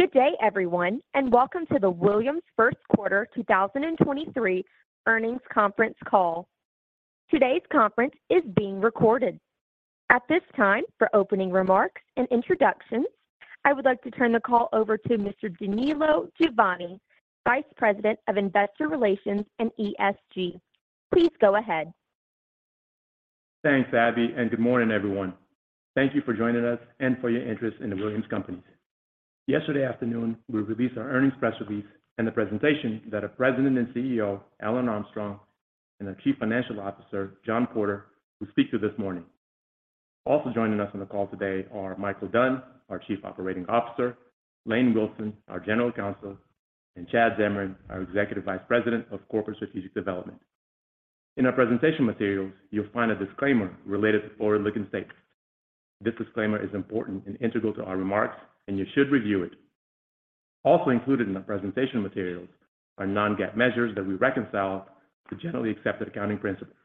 Good day, everyone, and welcome to The Williams First Quarter 2023 Earnings Conference Call. Today's conference is being recorded. At this time, for opening remarks and introductions, I would like to turn the call over to Mr. Danilo Samani, Vice President of Investor Relations and ESG. Please go ahead. Thanks, Abby. Good morning, everyone. Thank you for joining us and for your interest in The Williams Companies. Yesterday afternoon, we released our earnings press release and the presentation that our President and CEO, Alan Armstrong, and our Chief Financial Officer, John Porter, will speak to this morning. Also joining us on the call today are Micheal Dunn, our Chief Operating Officer, Lane Wilson, our General Counsel, and Chad Zamarin, our Executive Vice President of Corporate Strategic Development. In our presentation materials, you'll find a disclaimer related to forward-looking statements. This disclaimer is important and integral to our remarks. You should review it. Also included in the presentation materials are non-GAAP measures that we reconcile to generally accepted accounting principles.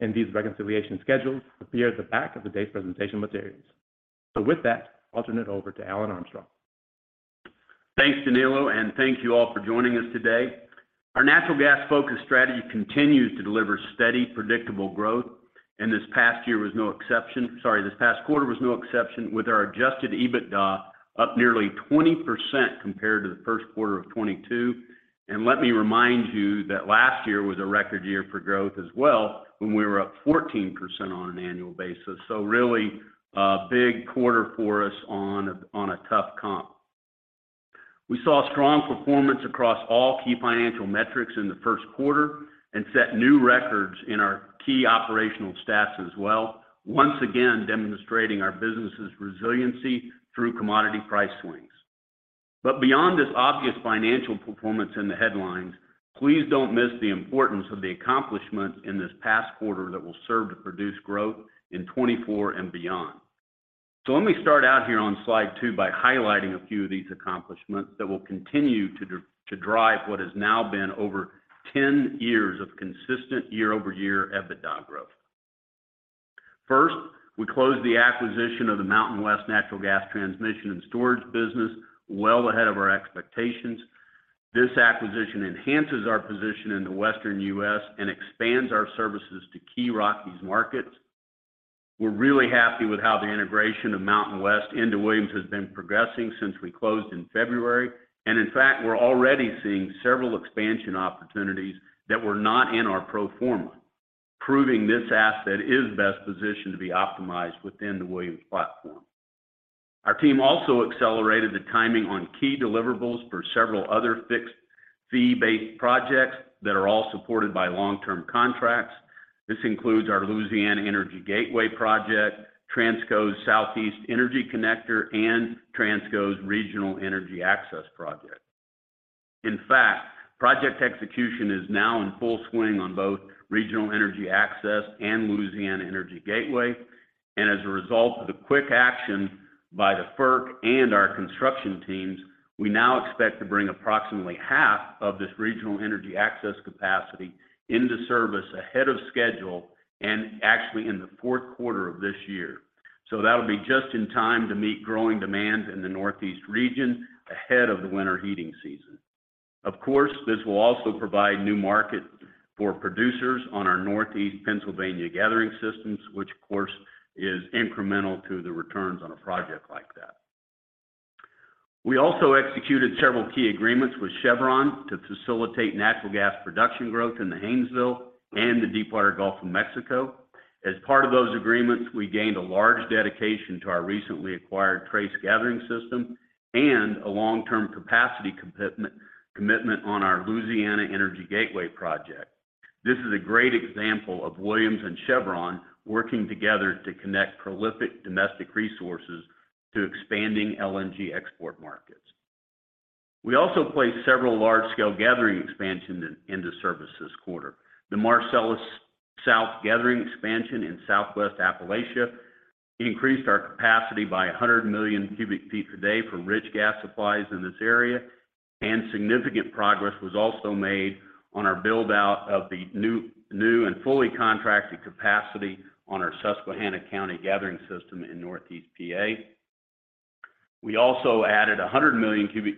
These reconciliation schedules appear at the back of today's presentation materials. With that, I'll turn it over to Alan Armstrong. Thanks, Danilo. Thank you all for joining us today. Our natural gas-focused strategy continues to deliver steady, predictable growth. This past year was no exception. Sorry, this past quarter was no exception, with our adjusted EBITDA up nearly 20% compared to the first quarter of 2022. Let me remind you that last year was a record year for growth as well, when we were up 14% on an annual basis. Really a big quarter for us on a tough comp. We saw strong performance across all key financial metrics in the first quarter and set new records in our key operational stats as well, once again demonstrating our business's resiliency through commodity price swings. Beyond this obvious financial performance in the headlines, please don't miss the importance of the accomplishments in this past quarter that will serve to produce growth in 2024 and beyond. Let me start out here on slide 2 by highlighting a few of these accomplishments that will continue to drive what has now been over 10 years of consistent year-over-year EBITDA growth. First, we closed the acquisition of the Mountain West Natural Gas Transmission and Storage business well ahead of our expectations. This acquisition enhances our position in the Western U.S. and expands our services to key Rockies markets. We're really happy with how the integration of Mountain West into Williams has been progressing since we closed in February. In fact, we're already seeing several expansion opportunities that were not in our pro forma, proving this asset is best positioned to be optimized within the Williams platform. Our team also accelerated the timing on key deliverables for several other fixed fee-based projects that are all supported by long-term contracts. This includes our Louisiana Energy Gateway project, Transco's Southeast Energy Connector, and Transco's Regional Energy Access project. In fact, project execution is now in full swing on both Regional Energy Access and Louisiana Energy Gateway. As a result of the quick action by the FERC and our construction teams, we now expect to bring approximately half of this Regional Energy Access capacity into service ahead of schedule and actually in the fourth quarter of this year. That'll be just in time to meet growing demand in the Northeast region ahead of the winter heating season. Of course, this will also provide new markets for producers on our Northeast Pennsylvania gathering systems, which of course is incremental to the returns on a project like that. We also executed several key agreements with Chevron to facilitate natural gas production growth in the Haynesville and the Deepwater Gulf of Mexico. As part of those agreements, we gained a large dedication to our recently acquired Trace Midstream system and a long-term capacity commitment on our Louisiana Energy Gateway project. This is a great example of Williams and Chevron working together to connect prolific domestic resources to expanding LNG export markets. We also placed several large-scale gathering expansions into service this quarter. The Marcellus South Gathering expansion in Southwest Appalachia increased our capacity by 100 million cubic feet per day for rich gas supplies in this area. Significant progress was also made on our build-out of the new and fully contracted capacity on our Susquehanna County Gathering system in Northeast PA. We also added 100 million cubic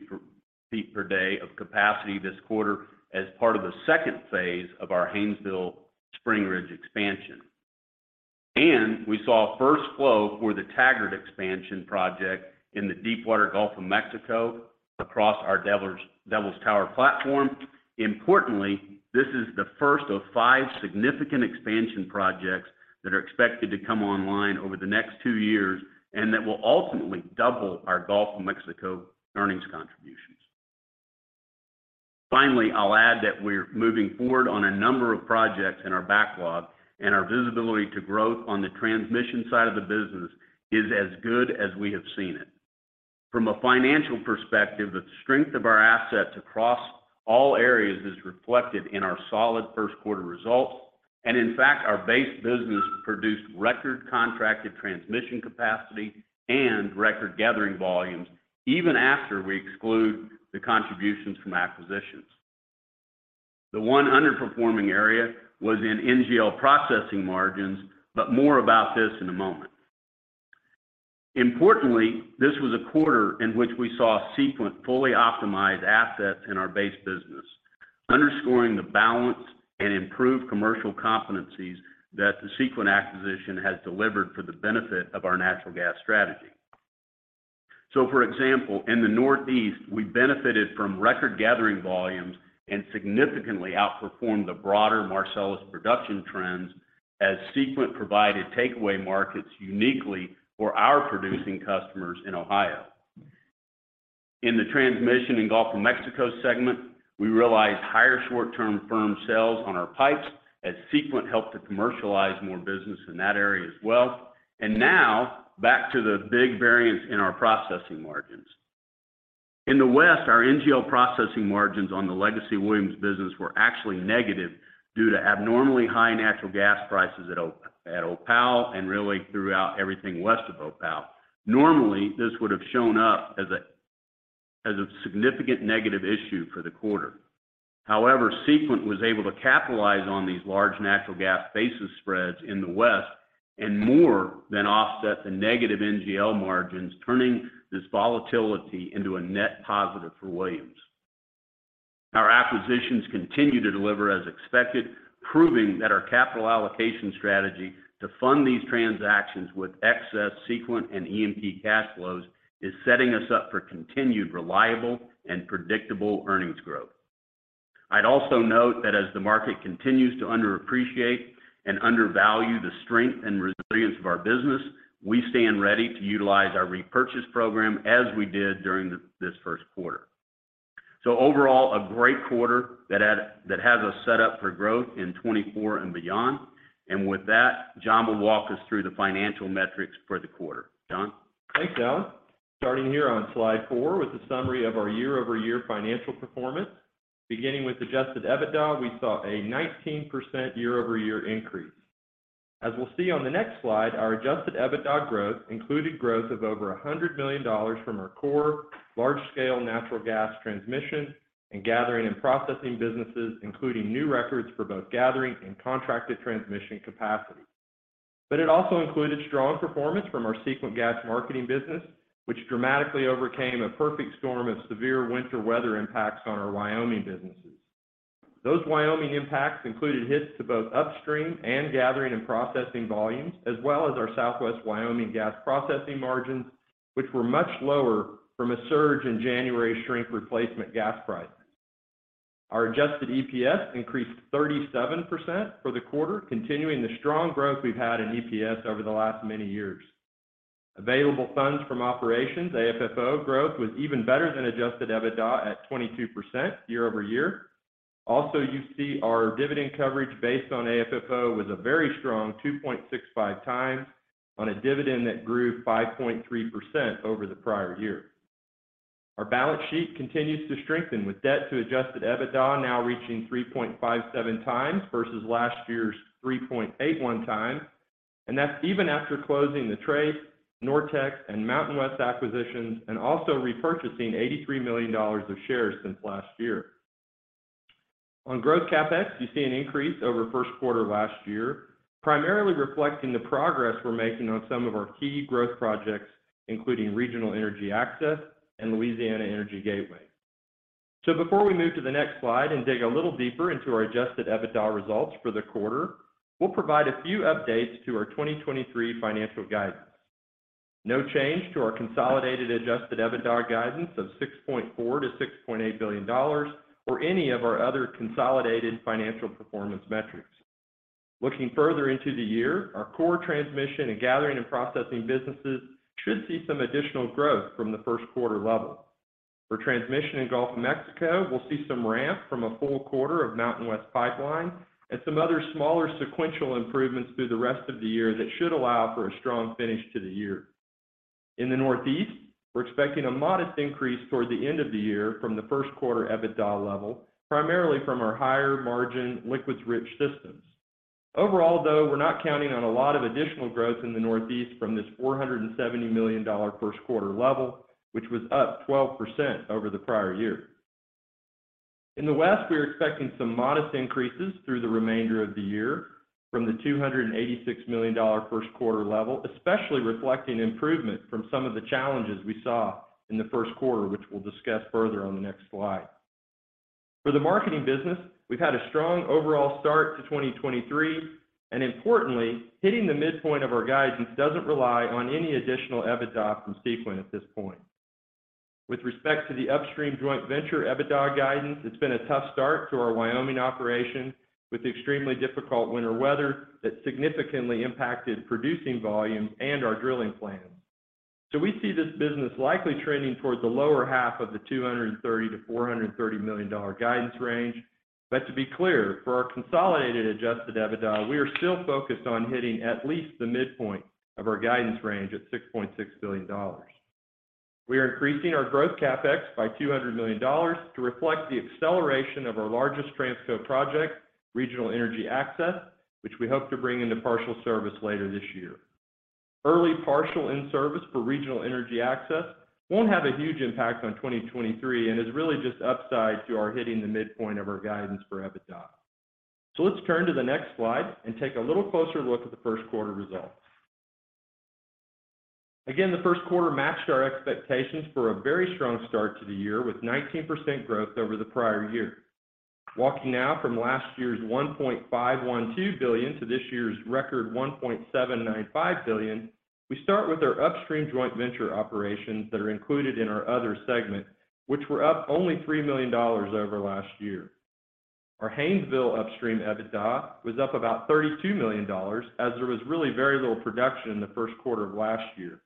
feet per day of capacity this quarter as part of the second phase of our Haynesville Springridge expansion. We saw first flow for the Taggart expansion project in the Deepwater Gulf of Mexico across our Devils Tower platform. Importantly, this is the first of five significant expansion projects that are expected to come online over the next two years and that will ultimately double our Gulf of Mexico earnings contributions. I'll add that we're moving forward on a number of projects in our backlog, and our visibility to growth on the transmission side of the business is as good as we have seen it. From a financial perspective, the strength of our assets across all areas is reflected in our solid first quarter results. In fact, our base business produced record contracted transmission capacity and record gathering volumes even after we exclude the contributions from acquisitions. The one underperforming area was in NGL processing margins, but more about this in a moment. Importantly, this was a quarter in which we saw Sequent fully optimize assets in our base business, underscoring the balance and improved commercial competencies that the Sequent acquisition has delivered for the benefit of our natural gas strategy. For example, in the Northeast, we benefited from record-gathering volumes and significantly outperformed the broader Marcellus production trends as Sequent provided takeaway markets uniquely for our producing customers in Ohio. In the transmission in Gulf of Mexico segment, we realized higher short-term firm sales on our pipes as Sequent helped to commercialize more business in that area as well. Now, back to the big variance in our processing margins. In the West, our NGL processing margins on the legacy Williams business were actually negative due to abnormally high natural gas prices at Opal and really throughout everything west of Opal. Normally, this would have shown up as a significant negative issue for the quarter. However, Sequent was able to capitalize on these large natural gas basis spreads in the West and more than offset the negative NGL margins, turning this volatility into a net positive for Williams. Our acquisitions continue to deliver as expected, proving that our capital allocation strategy to fund these transactions with excess Sequent and EMP cash flows is setting us up for continued reliable and predictable earnings growth. I'd also note that as the market continues to underappreciate and undervalue the strength and resilience of our business, we stand ready to utilize our repurchase program as we did during this first quarter. Overall, a great quarter that has us set up for growth in 2024 and beyond. With that, John will walk us through the financial metrics for the quarter. John? Thanks, Alan. Starting here on slide 4 with a summary of our year-over-year financial performance. Beginning with adjusted EBITDA, we saw a 19% year-over-year increase. As we'll see on the next slide, our adjusted EBITDA growth included growth of over $100 million from our core, large-scale natural gas transmission and gathering and processing businesses, including new records for both gathering and contracted transmission capacity. It also included strong performance from our Sequent gas marketing business, which dramatically overcame a perfect storm of severe winter weather impacts on our Wyoming businesses. Those Wyoming impacts included hits to both upstream and gathering and processing volumes, as well as our Southwest Wyoming gas processing margins, which were much lower from a surge in January shrink replacement gas prices. Our adjusted EPS increased 37% for the quarter, continuing the strong growth we've had in EPS over the last many years. Available funds from operations, AFFO growth, was even better than adjusted EBITDA at 22% year-over-year. You see our dividend coverage based on AFFO was a very strong 2.65 times on a dividend that grew 5.3% over the prior year. Our balance sheet continues to strengthen with debt to adjusted EBITDA now reaching 3.57 times versus last year's 3.81 times. That's even after closing the Trace, NorTex, and Mountain West acquisitions and also repurchasing $83 million of shares since last year. On growth CapEx, you see an increase over first quarter last year, primarily reflecting the progress we're making on some of our key growth projects, including Regional Energy Access and Louisiana Energy Gateway. Before we move to the next slide and dig a little deeper into our adjusted EBITDA results for the quarter, we'll provide a few updates to our 2023 financial guidance. No change to our consolidated adjusted EBITDA guidance of $6.4 billion-$6.8 billion or any of our other consolidated financial performance metrics. Looking further into the year, our core transmission and gathering and processing businesses should see some additional growth from the first quarter level. For transmission in Gulf of Mexico, we'll see some ramp from a full quarter of Mountain West Pipeline and some other smaller sequential improvements through the rest of the year that should allow for a strong finish to the year. In the Northeast, we're expecting a modest increase toward the end of the year from the first quarter EBITDA level, primarily from our higher margin liquids-rich systems. Overall, though, we're not counting on a lot of additional growth in the Northeast from this $470 million first quarter level, which was up 12% over the prior year. In the West, we're expecting some modest increases through the remainder of the year from the $286 million first quarter level, especially reflecting improvement from some of the challenges we saw in the first quarter, which we'll discuss further on the next slide. For the marketing business, we've had a strong overall start to 2023. Importantly, hitting the midpoint of our guidance doesn't rely on any additional EBITDA from Sequent at this point. With respect to the upstream joint venture EBITDA guidance, it's been a tough start to our Wyoming operation with extremely difficult winter weather that significantly impacted producing volumes and our drilling plans. We see this business likely trending towards the lower half of the $230 million-$430 million guidance range. To be clear, for our consolidated adjusted EBITDA, we are still focused on hitting at least the midpoint of our guidance range at $6.6 billion. We are increasing our growth CapEx by $200 million to reflect the acceleration of our largest Transco project, Regional Energy Access, which we hope to bring into partial service later this year. Early partial in-service for Regional Energy Access won't have a huge impact on 2023, is really just upside to our hitting the midpoint of our guidance for EBITDA. Let's turn to the next slide and take a little closer look at the first quarter results. Again, the first quarter matched our expectations for a very strong start to the year, with 19% growth over the prior year. Walking now from last year's $1.512 billion to this year's record $1.795 billion, we start with our upstream joint venture operations that are included in our other segment, which were up only $3 million over last year. Our Haynesville upstream EBITDA was up about $32 million, as there was really very little production in the first quarter of last year.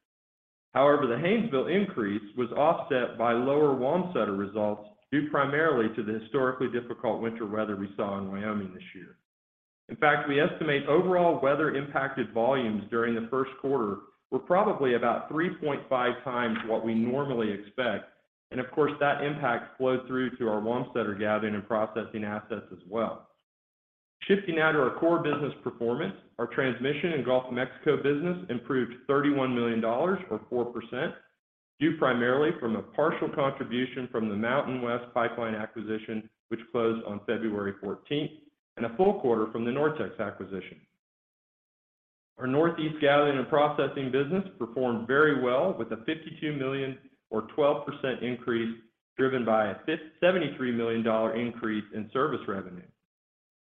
However, the Haynesville increase was offset by lower Wamsutter results, due primarily to the historically difficult winter weather we saw in Wyoming this year. In fact, we estimate overall weather-impacted volumes during the first quarter were probably about 3.5 times what we normally expect, and of course, that impact flowed through to our Wamsutter gathering and processing assets as well. Shifting now to our core business performance, our transmission in Gulf of Mexico business improved $31 million, or 4%, due primarily from a partial contribution from the Mountain West Pipeline acquisition, which closed on February 14th, and a full quarter from the NorTex's acquisition. Our Northeast gathering and processing business performed very well with a $52 million or 12% increase, driven by a $73 million increase in service revenue.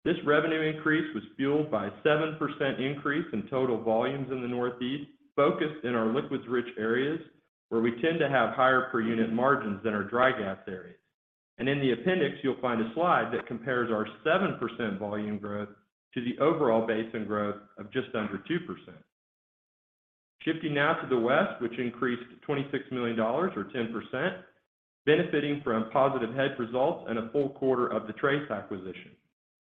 This revenue increase was fueled by a 7% increase in total volumes in the Northeast, focused in our liquids-rich areas, where we tend to have higher per-unit margins than our dry gas areas. In the appendix, you'll find a slide that compares our 7% volume growth to the overall basin growth of just under 2%. Shifting now to the West, which increased to $26 million or 10%, benefiting from positive hedge results and a full quarter of the Trace acquisition.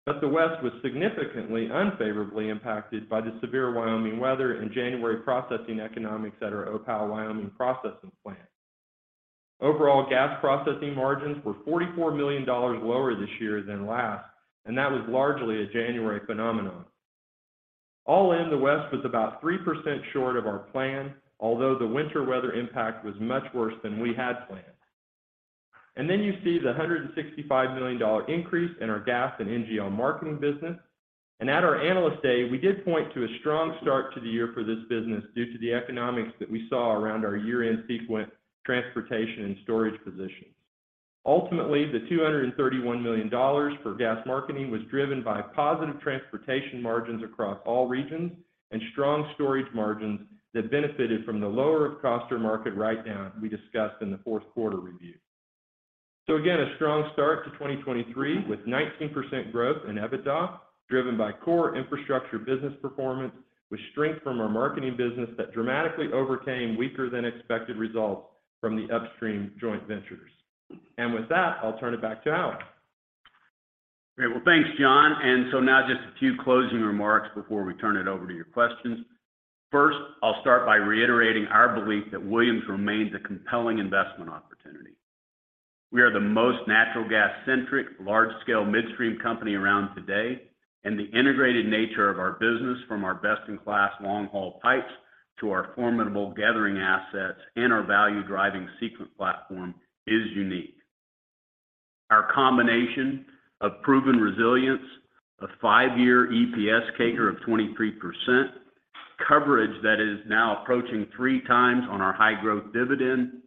The West was significantly unfavorably impacted by the severe Wyoming weather and January processing economics at our Opal Wyoming processing plant. Overall, gas processing margins were $44 million lower this year than last. That was largely a January phenomenon. All in, the West was about 3% short of our plan, although the winter weather impact was much worse than we had planned. Then you see the $165 million increase in our gas and NGL marketing business. At our Analyst Day, we did point to a strong start to the year for this business due to the economics that we saw around our year-end Sequent transportation and storage positions. Ultimately, the $231 million for gas marketing was driven by positive transportation margins across all regions and strong storage margins that benefited from the lower of cost or market write-down we discussed in the fourth quarter review. Again, a strong start to 2023, with 19% growth in EBITDA driven by core infrastructure business performance with strength from our marketing business that dramatically overcame weaker than expected results from the upstream joint ventures. With that, I'll turn it back to Alan. Great. Well, thanks, John. Now just a few closing remarks before we turn it over to your questions. First, I'll start by reiterating our belief that Williams remains a compelling investment opportunity. We are the most natural gas-centric, large-scale midstream company around today. The integrated nature of our business from our best-in-class long-haul pipes to our formidable gathering assets and our value-driving Sequent platform is unique. Our combination of proven resilience, a five-year EPS CAGR of 23%, coverage that is now approaching 3x on our high-growth dividend,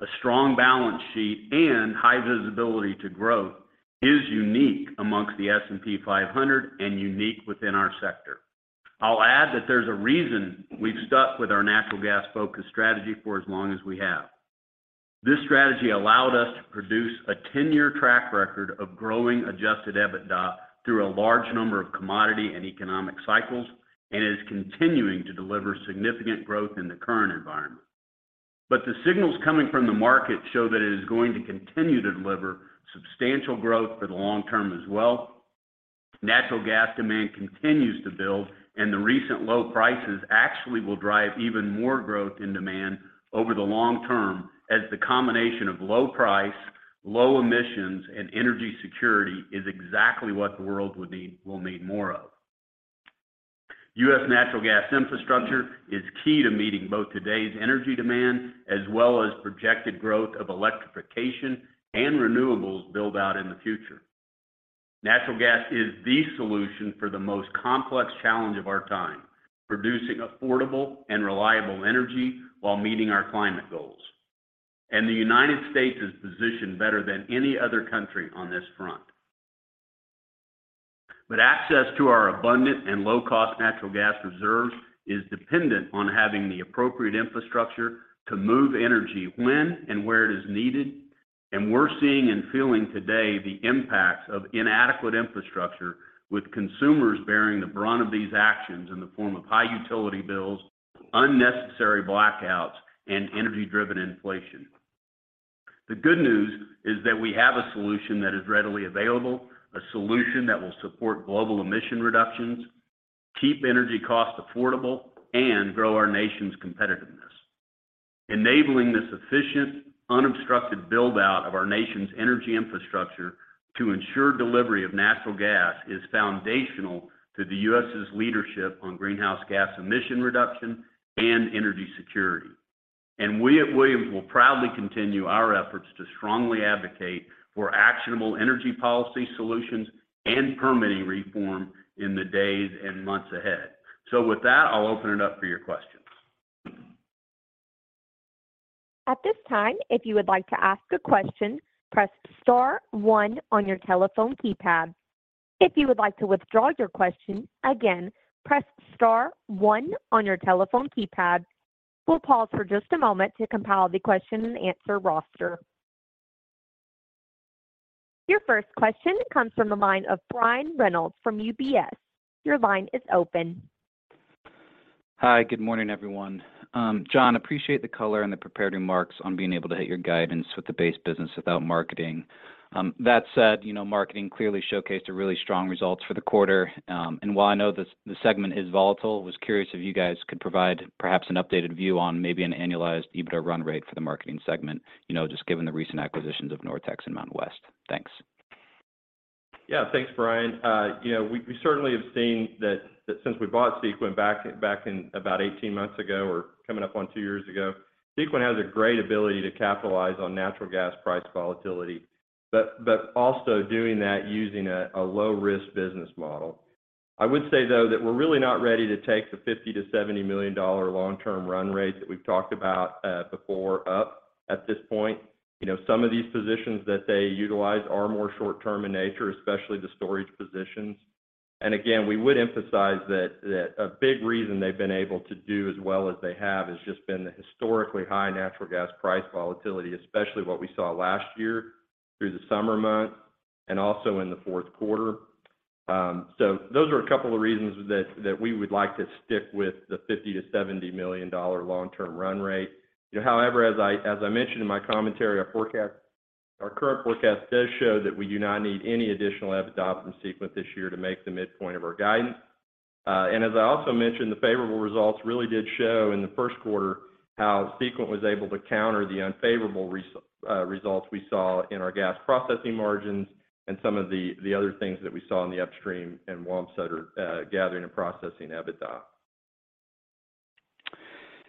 a strong balance sheet, and high visibility to growth is unique amongst the S&P 500 and unique within our sector. I'll add that there's a reason we've stuck with our natural gas-focused strategy for as long as we have. This strategy allowed us to produce a 10-year track record of growing adjusted EBITDA through a large number of commodity and economic cycles, and is continuing to deliver significant growth in the current environment. The signals coming from the market show that it is going to continue to deliver substantial growth for the long term as well. Natural gas demand continues to build, and the recent low prices actually will drive even more growth in demand over the long term as the combination of low price, low emissions, and energy security is exactly what the world will need more of. U.S. natural gas infrastructure is key to meeting both today's energy demand as well as projected growth of electrification and renewables build-out in the future. Natural gas is the solution for the most complex challenge of our time, producing affordable and reliable energy while meeting our climate goals. The United States is positioned better than any other country on this front. Access to our abundant and low-cost natural gas reserves is dependent on having the appropriate infrastructure to move energy when and where it is needed. We're seeing and feeling today the impacts of inadequate infrastructure with consumers bearing the brunt of these actions in the form of high utility bills, unnecessary blackouts, and energy-driven inflation. The good news is that we have a solution that is readily available, a solution that will support global emission reductions, keep energy costs affordable, and grow our nation's competitiveness. Enabling this efficient, unobstructed build-out of our nation's energy infrastructure to ensure delivery of natural gas is foundational to the U.S.'s leadership on greenhouse gas emission reduction and energy security. We at Williams will proudly continue our efforts to strongly advocate for actionable energy policy solutions and permitting reform in the days and months ahead. With that, I'll open it up for your questions. At this time, if you would like to ask a question, press star one on your telephone keypad. If you would like to withdraw your question, again, press star one on your telephone keypad. We'll pause for just a moment to compile the question and answer roster. Your first question comes from the line of Brian Reynolds from UBS. Your line is open. Hi. Good morning, everyone. John, appreciate the color and the prepared remarks on being able to hit your guidance with the base business without marketing. That said, you know, marketing clearly showcased a really strong results for the quarter. While I know the segment is volatile, was curious if you guys could provide perhaps an updated view on maybe an annualized EBITDA run rate for the marketing segment, you know, just given the recent acquisitions of NorTex and Mountain West. Thanks. Yeah. Thanks, Brian. You know, we certainly have seen that since we bought Sequent back, about 18 months ago or coming up on two years ago, Sequent has a great ability to capitalize on natural gas price volatility, but also doing that using a low risk business model. I would say, though, that we're really not ready to take the $50 million-$70 million long-term run rates that we've talked about, before up at this point. You know, some of these positions that they utilize are more short-term in nature, especially the storage positions. Again, we would emphasize that a big reason they've been able to do as well as they have has just been the historically high natural gas price volatility, especially what we saw last year through the summer months and also in the fourth quarter. Those are a couple of reasons that we would like to stick with the $50 million-$70 million long-term run rate. You know, however, as I mentioned in my commentary, our current forecast does show that we do not need any additional EBITDA from Sequent this year to make the midpoint of our guidance. As I also mentioned, the favorable results really did show in the first quarter how Sequent was able to counter the unfavorable results we saw in our gas processing margins and some of the other things that we saw in the upstream and WAMPS that are gathering and processing EBITDA.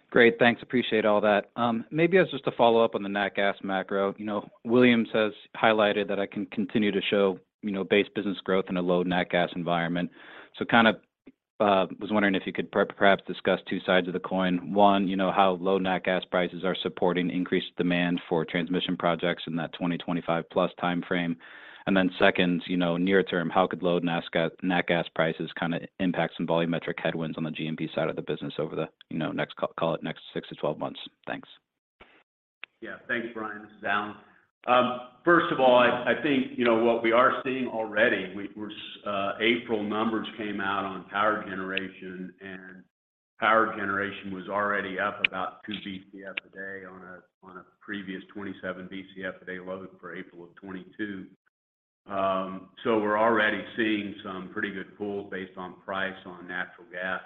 Great. Thanks. Appreciate all that. Maybe as just a follow-up on the nat gas macro. You know, Williams has highlighted that it can continue to show, you know, base business growth in a low nat gas environment. Kind of was wondering if you could perhaps discuss two sides of the coin. One, you know, how low nat gas prices are supporting increased demand for transmission projects in that 2025+ timeframe. Second, you know, near term, how could low nat gas prices kind of impact some volumetric headwinds on the GMP side of the business over the, you know, next six to 12 months? Thanks. Yeah. Thanks, Brian. This is Alan. First of all, I think, you know, what we are seeing already, we're seeing April numbers came out on power generation, and power generation was already up about two BCF a day on a previous 27 BCF a day load for April of 2022. We're already seeing some pretty good pull based on price on natural gas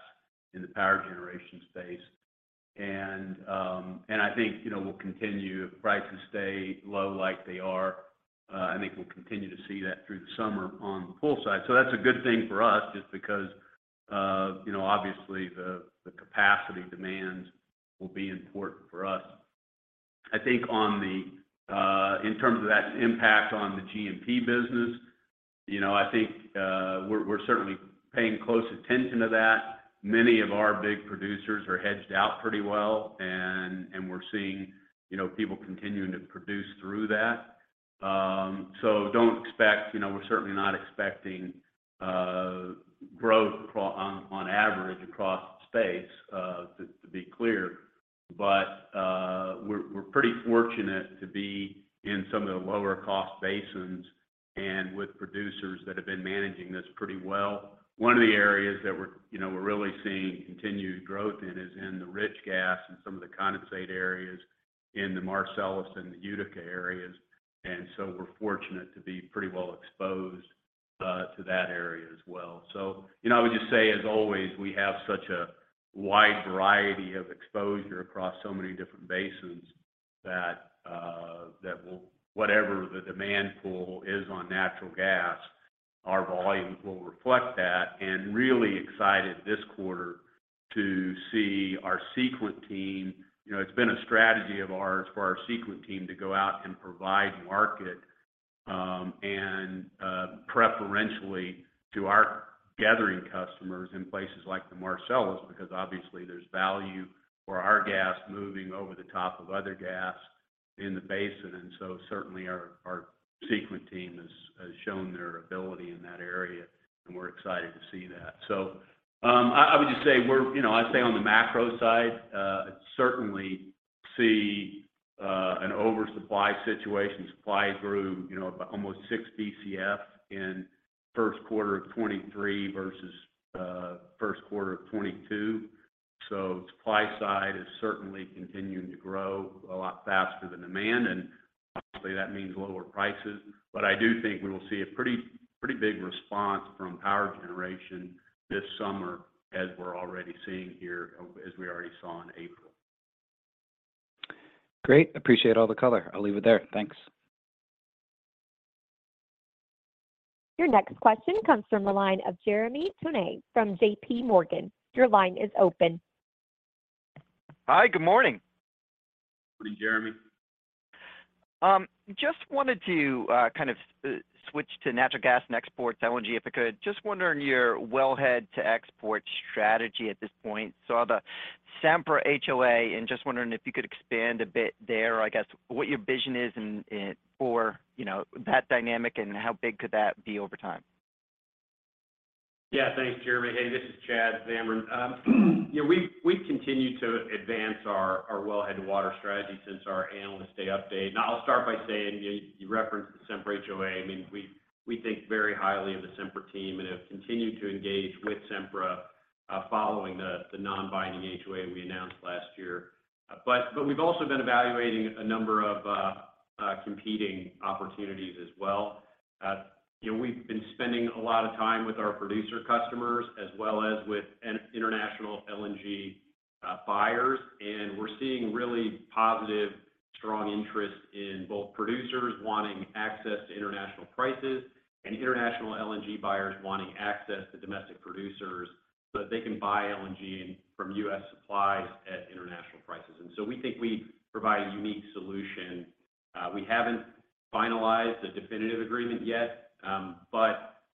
in the power generation space. I think, you know, we'll continue. If prices stay low like they are, I think we'll continue to see that through the summer on the pull side. That's a good thing for us just because, you know, obviously, the capacity demands will be important for us. I think in terms of that impact on the GMP business, you know, I think we're certainly paying close attention to that. Many of our big producers are hedged out pretty well, and we're seeing, you know, people continuing to produce through that. Don't expect, you know, we're certainly not expecting growth on average across the space to be clear. We're pretty fortunate to be in some of the lower cost basins and with producers that have been managing this pretty well. One of the areas that we're, you know, we're really seeing continued growth in is in the rich gas and some of the condensate areas in the Marcellus and the Utica areas. We're fortunate to be pretty well exposed to that area as well. You know, I would just say, as always, we have such a wide variety of exposure across so many different basins that, whatever the demand pool is on natural gas, our volumes will reflect that. Really excited this quarter to see our Sequent team. You know, it's been a strategy of ours for our Sequent team to go out and provide market, and preferentially to our gathering customers in places like the Marcellus, because, obviously, there's value for our gas moving over the top of other gas in the basin. Certainly our Sequent team has shown their ability in that area, and we're excited to see that. I would just say we're, you know, I'd say on the macro side, certainly see an oversupply situation. Supply grew, you know, by almost six BCF in first quarter of 2023 versus, first quarter of 2022. Supply side is certainly continuing to grow a lot faster than demand. Obviously, that means lower prices. I do think we will see a pretty big response from power generation this summer as we're already seeing here, as we already saw in April. Great. Appreciate all the color. I'll leave it there. Thanks. Your next question comes from the line of Jeremy Tonet from JPMorgan. Your line is open. Hi, good morning. Morning, Jeremy. Just wanted to, kind of, switch to natural gas and exports, LNG, if I could. Just wondering your wellhead to export strategy at this point. Saw the Sempra HOA, and just wondering if you could expand a bit there, I guess, what your vision is in for, you know, that dynamic and how big could that be over time? Yeah. Thanks, Jeremy. Hey, this is Chad Zamarin. You know, we've continued to advance our wellhead to water strategy since our Analyst Day update. Now I'll start by saying you referenced the Sempra HOA. I mean, we think very highly of the Sempra team and have continued to engage with Sempra following the non-binding HOA we announced last year. We've also been evaluating a number of competing opportunities as well. You know, we've been spending a lot of time with our producer customers as well as with an international LNG buyers. We're seeing really positive, strong interest in both producers wanting access to international prices and international LNG buyers wanting access to domestic producers so that they can buy LNG from U.S. supplies at international prices. So we think we provide a unique solution. We haven't finalized a definitive agreement yet,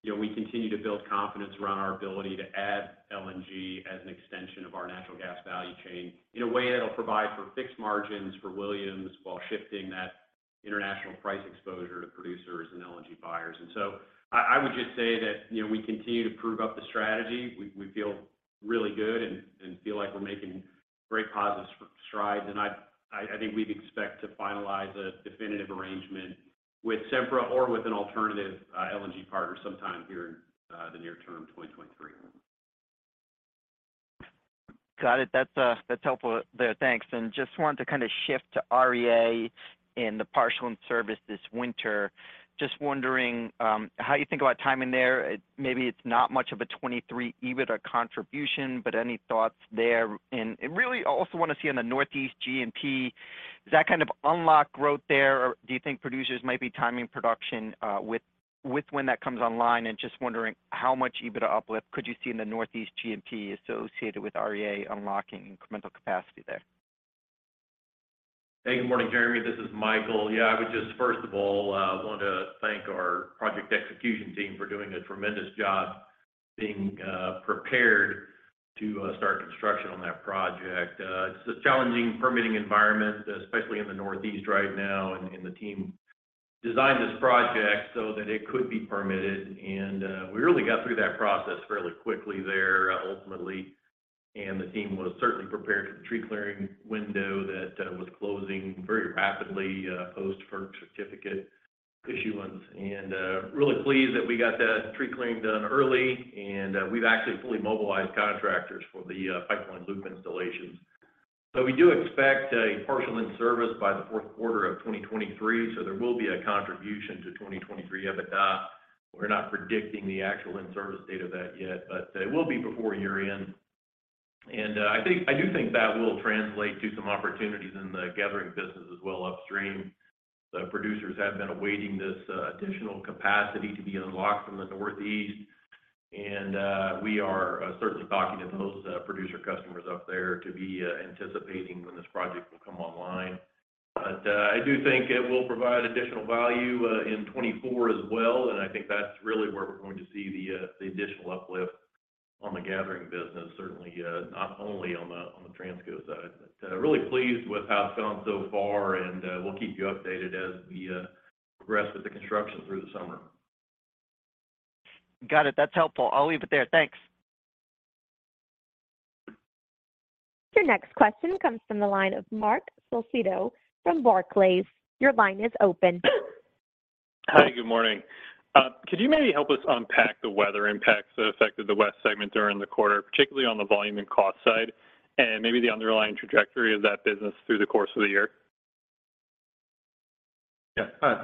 you know, we continue to build confidence around our ability to add LNG as an extension of our natural gas value chain in a way that'll provide for fixed margins for Williams while shifting that international price exposure to producers and LNG buyers. I would just say that, you know, we continue to prove up the strategy. We, we feel really good and feel like we're making great positive strides. I, I think we'd expect to finalize a definitive arrangement with Sempra or with an alternative LNG partner sometime here in the near term 2023. Got it. That's, that's helpful there. Thanks. Just wanted to kind of shift to REA and the partial in-service this winter. Just wondering, how you think about timing there. Maybe it's not much of a 23 EBITDA contribution, but any thoughts there? Really also want to see on the Northeast GMP, does that kind of unlock growth there, or do you think producers might be timing production, with when that comes online? Just wondering how much EBITDA uplift could you see in the Northeast GMP associated with REA unlocking incremental capacity there? Hey, good morning, Jeremy. This is Micheal. Yeah, I would just first of all, want to thank our project execution team for doing a tremendous job being prepared to start construction on that project. It's a challenging permitting environment, especially in the Northeast right now. The team designed this project so that it could be permitted. We really got through that process fairly quickly there, ultimately. The team was certainly prepared for the tree clearing window that was closing very rapidly post FERC certificate issuance. Really pleased that we got that tree clearing done early. We've actually fully mobilized contractors for the pipeline loop installations. We do expect a partial in-service by the fourth quarter of 2023, there will be a contribution to 2023 EBITDA. We're not predicting the actual in-service date of that yet, but it will be before year-end. I do think that will translate to some opportunities in the gathering business as well upstream. The producers have been awaiting this additional capacity to be unlocked from the Northeast. We are certainly talking to those producer customers up there to be anticipating when this project will come online. I do think it will provide additional value in 2024 as well. I think that's really where we're going to see the additional uplift on the gathering business, certainly, not only on the, on the Transco side. Really pleased with how it's gone so far, and we'll keep you updated as we progress with the construction through the summer. Got it. That's helpful. I'll leave it there. Thanks. Your next question comes from the line of Marc Solecitto from Barclays. Your line is open. Hi. Good morning. Could you maybe help us unpack the weather impacts that affected the West segment during the quarter, particularly on the volume and cost side, and maybe the underlying trajectory of that business through the course of the year?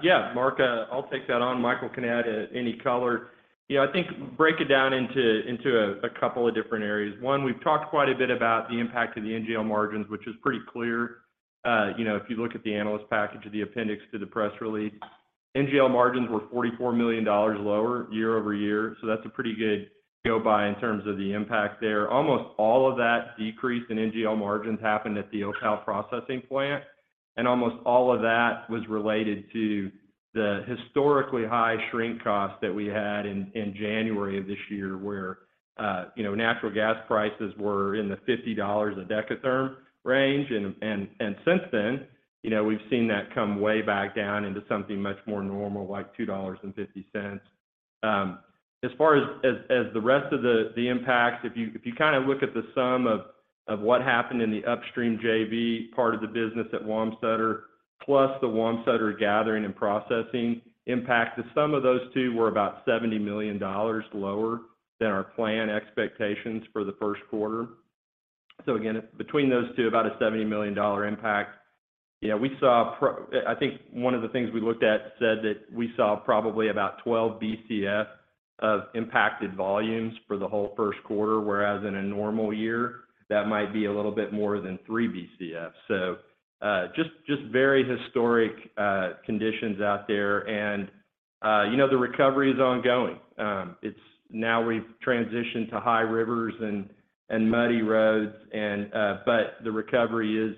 Yeah, Marc, I'll take that on. Micheal can add any color. You know, I think break it down into a couple of different areas. One, we've talked quite a bit about the impact to the NGL margins, which is pretty clear. You know, if you look at the analyst package of the appendix to the press release, NGL margins were $44 million lower year-over-year. That's a pretty good go by in terms of the impact there. Almost all of that decrease in NGL margins happened at the Opal processing plant, and almost all of that was related to the historically high shrink cost that we had in January of this year, where, you know, natural gas prices were in the $50 a dekatherm range. Since then, you know, we've seen that come way back down into something much more normal, like $2.50. As far as the rest of the impacts, if you kind of look at the sum of what happened in the upstream JV part of the business at Wamsutter, plus the Wamsutter gathering and processing impact, the sum of those two were about $70 million lower than our plan expectations for the first quarter. Again, between those two, about a $70 million impact. Yeah, we saw I think one of the things we looked at said that we saw probably about 12 Bcf of impacted volumes for the whole first quarter, whereas in a normal year, that might be a little bit more than 3 Bcf. Just very historic conditions out there. You know, the recovery is ongoing. Now we've transitioned to high rivers and muddy roads but the recovery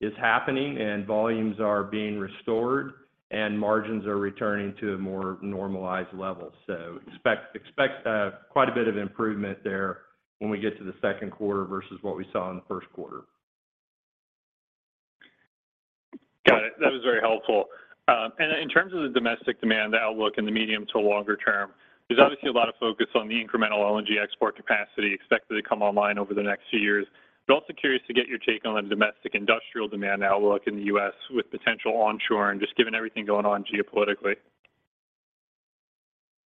is happening and volumes are being restored and margins are returning to a more normalized level. Expect quite a bit of improvement there when we get to the second quarter versus what we saw in the first quarter. Got it. That was very helpful. In terms of the domestic demand outlook in the medium to longer term, there's obviously a lot of focus on the incremental LNG export capacity expected to come online over the next few years. Also curious to get your take on domestic industrial demand outlook in the U.S. with potential onshore and just given everything going on geopolitically.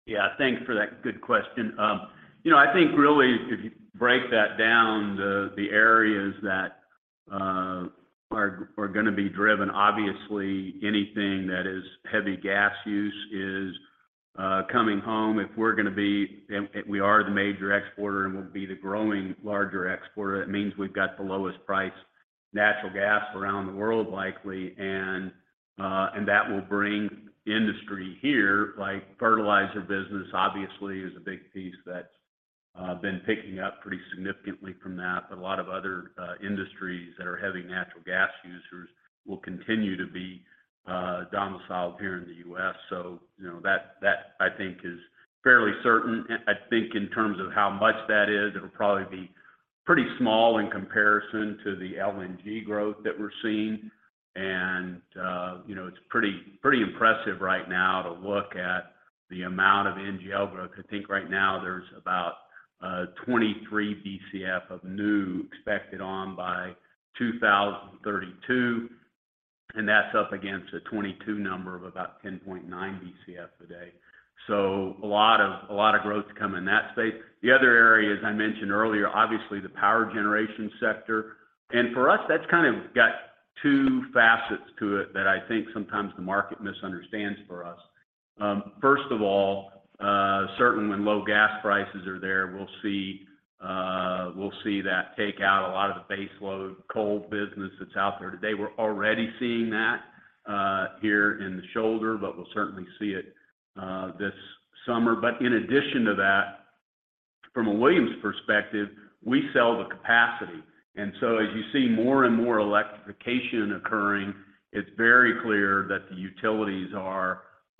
Yeah. Thanks for that good question. You know, I think really if you break that down, the areas that are gonna be driven, obviously anything that is heavy gas use is coming home. We are the major exporter, and we'll be the growing larger exporter, that means we've got the lowest price natural gas around the world likely. That will bring industry here, like fertilizer business obviously is a big piece that's been picking up pretty significantly from that. A lot of other industries that are heavy natural gas users will continue to be domiciled here in the U.S. You know, that I think is fairly certain. I think in terms of how much that is, it'll probably be pretty small in comparison to the LNG growth that we're seeing. You know, it's pretty impressive right now to look at the amount of NGL growth. I think right now there's about 23 Bcf of new expected on by 2032, and that's up against a 22 number of about 10.9 Bcf today. A lot of growth to come in that space. The other area, as I mentioned earlier, obviously the power generation sector. For us, that's kind of got two facets to it that I think sometimes the market misunderstands for us. First of all, certainly when low gas prices are there, we'll see that take out a lot of the base load coal business that's out there today. We're already seeing that here in the shoulder, but we'll certainly see it this summer. In addition to that, from a Williams perspective, we sell the capacity. As you see more and more electrification occurring, it's very clear that the utilities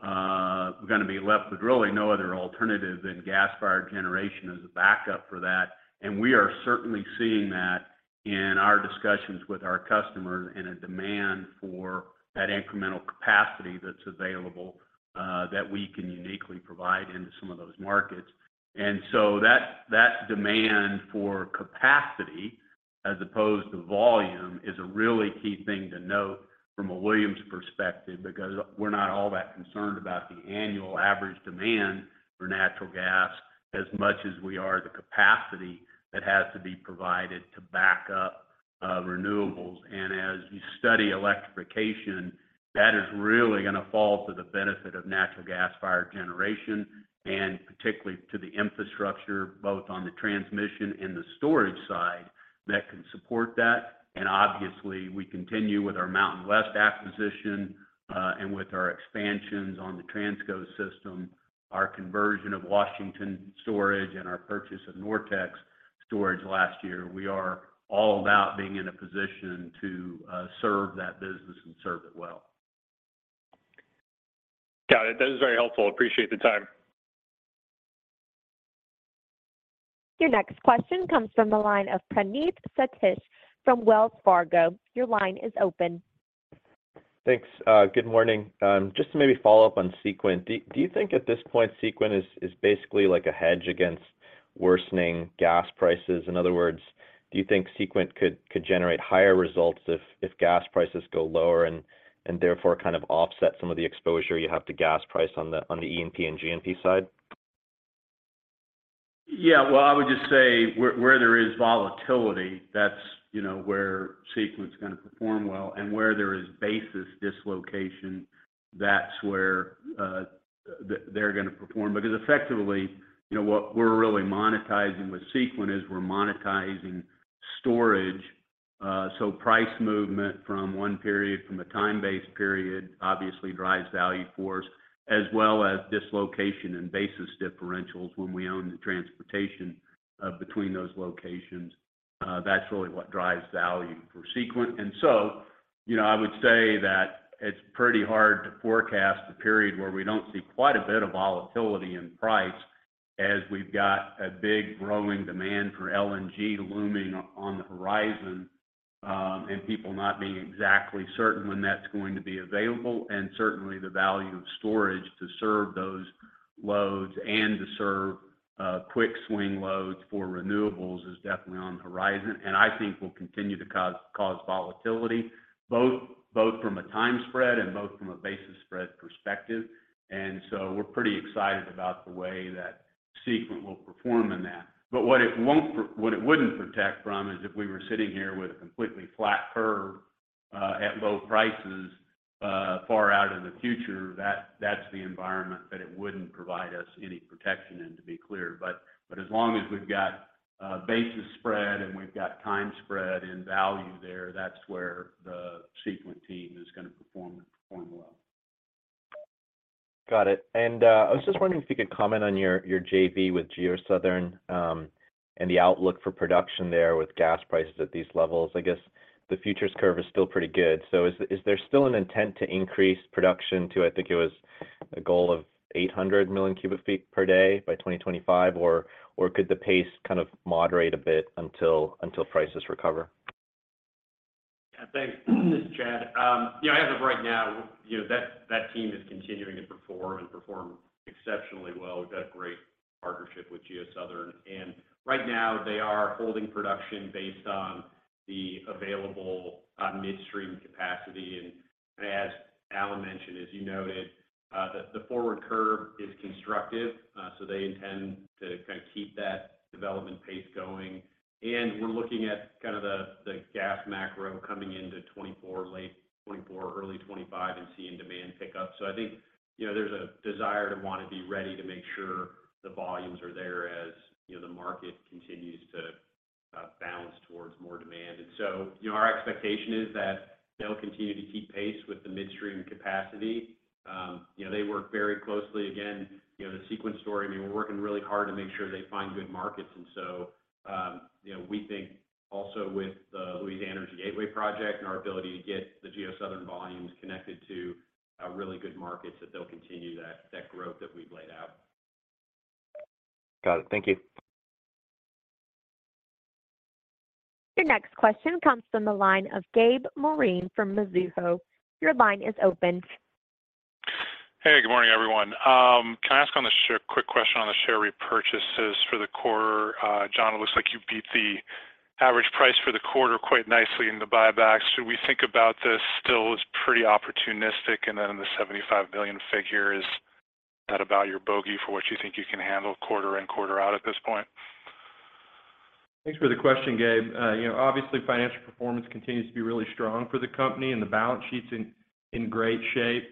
are gonna be left with really no other alternative than gas-fired generation as a backup for that. We are certainly seeing that in our discussions with our customers in a demand for that incremental capacity that's available that we can uniquely provide into some of those markets. That demand for capacity as opposed to volume is a really key thing to note from a Williams perspective, because we're not all that concerned about the annual average demand for natural gas as much as we are the capacity that has to be provided to back up renewables. As you study electrification, that is really gonna fall to the benefit of natural gas-fired generation, and particularly to the infrastructure, both on the transmission and the storage side that can support that. Obviously, we continue with our Mountain West acquisition, and with our expansions on the Transco system, our conversion of Washington storage, and our purchase of NorTex storage last year. We are all about being in a position to serve that business and serve it well. Got it. That is very helpful. Appreciate the time. Your next question comes from the line of Praneeth Satish from Wells Fargo. Your line is open. Thanks. Good morning. Just to maybe follow up on Sequent. Do you think at this point Sequent is basically like a hedge against worsening gas prices? In other words, do you think Sequent could generate higher results if gas prices go lower and therefore kind of offset some of the exposure you have to gas price on the E&P and GNP side? Well, I would just say where there is volatility, that's, you know, where Sequent's gonna perform well. Where there is basis dislocation, that's where they're gonna perform. Effectively, you know, what we're really monetizing with Sequent is we're monetizing storage. Price movement from one period, from a time-based period obviously drives value for us, as well as dislocation and basis differentials when we own the transportation between those locations. That's really what drives value for Sequent. You know, I would say that it's pretty hard to forecast a period where we don't see quite a bit of volatility in price as we've got a big growing demand for LNG looming on the horizon, and people not being exactly certain when that's going to be available. Certainly the value of storage to serve those loads and to serve quick swing loads for renewables is definitely on the horizon. I think will continue to cause volatility both from a time spread and both from a basis spread perspective. So we're pretty excited about the way that Sequent will perform in that. What it wouldn't protect from is if we were sitting here with a completely flat curve at low prices, far out in the future, that's the environment that it wouldn't provide us any protection in, to be clear. As long as we've got basis spread and we've got time spread and value there, that's where the Sequent team is gonna perform well. Got it. I was just wondering if you could comment on your JV with GeoSouthern, and the outlook for production there with gas prices at these levels. I guess the futures curve is still pretty good. Is there still an intent to increase production to, I think it was a goal of 800 million cubic feet per day by 2025, or could the pace kind of moderate a bit until prices recover? Yeah, thanks. This is Chad. You know, as of right now, you know, that team is continuing to perform and perform exceptionally well. We've got a great partnership with GeoSouthern, right now they are holding production based on the available midstream capacity. As Alan mentioned, as you noted, the forward curve is constructive, so they intend to kind of keep that development pace going. We're looking at kind of the gas macro coming into 2024, late 2024, early 2025 and seeing demand pick up. I think, you know, there's a desire to wanna be ready to make sure the volumes are there as, you know, the market continues to balance towards more demand. You know, our expectation is that they'll continue to keep pace with the midstream capacity. You know, they work very closely. You know, the Sequent story, I mean, we're working really hard to make sure they find good markets. You know, we think also with the Louisiana Energy Gateway project and our ability to get the GeoSouthern volumes connected to really good markets, that they'll continue that growth that we've laid out. Got it. Thank you. Your next question comes from the line of Gabe Moreen from Mizuho. Your line is open. Hey, good morning, everyone. Can I ask on the quick question on the share repurchases for the quarter? John, it looks like you beat the average price for the quarter quite nicely in the buybacks. Should we think about this still as pretty opportunistic and then the $75 million figure, is that about your bogey for what you think you can handle quarter in, quarter out at this point? Thanks for the question, Gabe. You know, obviously, financial performance continues to be really strong for the company and the balance sheet's in great shape.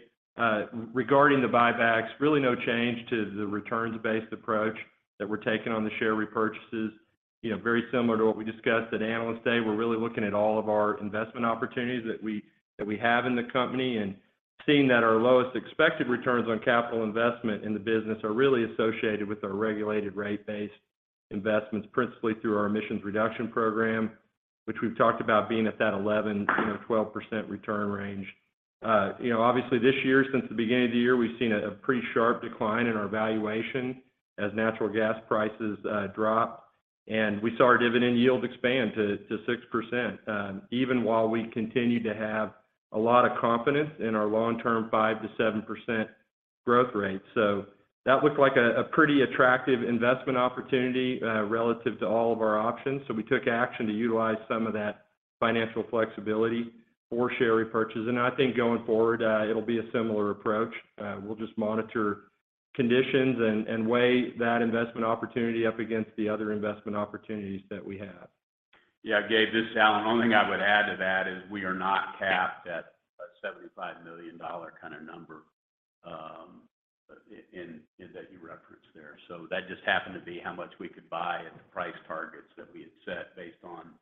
Regarding the buybacks, really no change to the returns-based approach that we're taking on the share repurchases. You know, very similar to what we discussed at Analyst Day. We're really looking at all of our investment opportunities that we have in the company and seeing that our lowest expected returns on capital investment in the business are really associated with our regulated rate-based investments, principally through our emissions reduction program, which we've talked about being at that 11%, you know, 12% return range. You know, obviously this year, since the beginning of the year, we've seen a pretty sharp decline in our valuation as natural gas prices drop. We saw our dividend yield expand to 6%, even while we continued to have a lot of confidence in our long-term 5%-7% growth rate. That looked like a pretty attractive investment opportunity relative to all of our options. We took action to utilize some of that financial flexibility for share repurchase. I think going forward, it'll be a similar approach. We'll just monitor conditions and weigh that investment opportunity up against the other investment opportunities that we have. Yeah, Gabe, this is Alan. Only thing I would add to that is we are not capped at a $75 million kinda number, in that you referenced there. That just happened to be how much we could buy at the price targets that we had set based on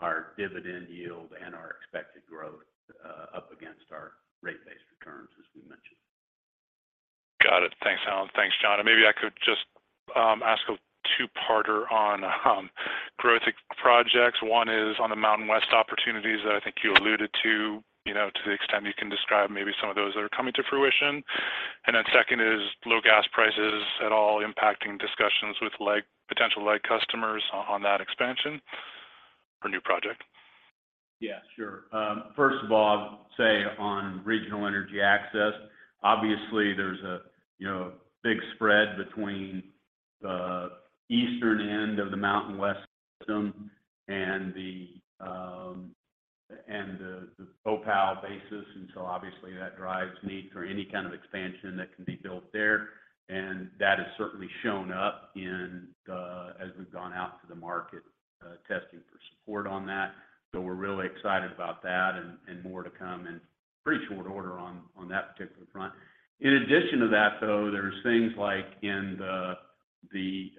our dividend yield and our expected growth, up against our rate-based returns, as we mentioned. Got it. Thanks, Alan. Thanks, John. Maybe I could just ask a two-parter on growth projects. One is on the Mountain West opportunities that I think you alluded to, you know, to the extent you can describe maybe some of those that are coming to fruition. Then second is low gas prices at all impacting discussions with LEG potential LEG customers on that expansion or new project? Sure. First of all, say, on regional energy access, obviously there's a, you know, big spread between the eastern end of the Mountain West system and the Opal basis, obviously that drives need for any kind of expansion that can be built there. That has certainly shown up as we've gone out to the market, testing for support on that. We're really excited about that and more to come and pretty short order on that particular front. In addition to that though, there's things like in the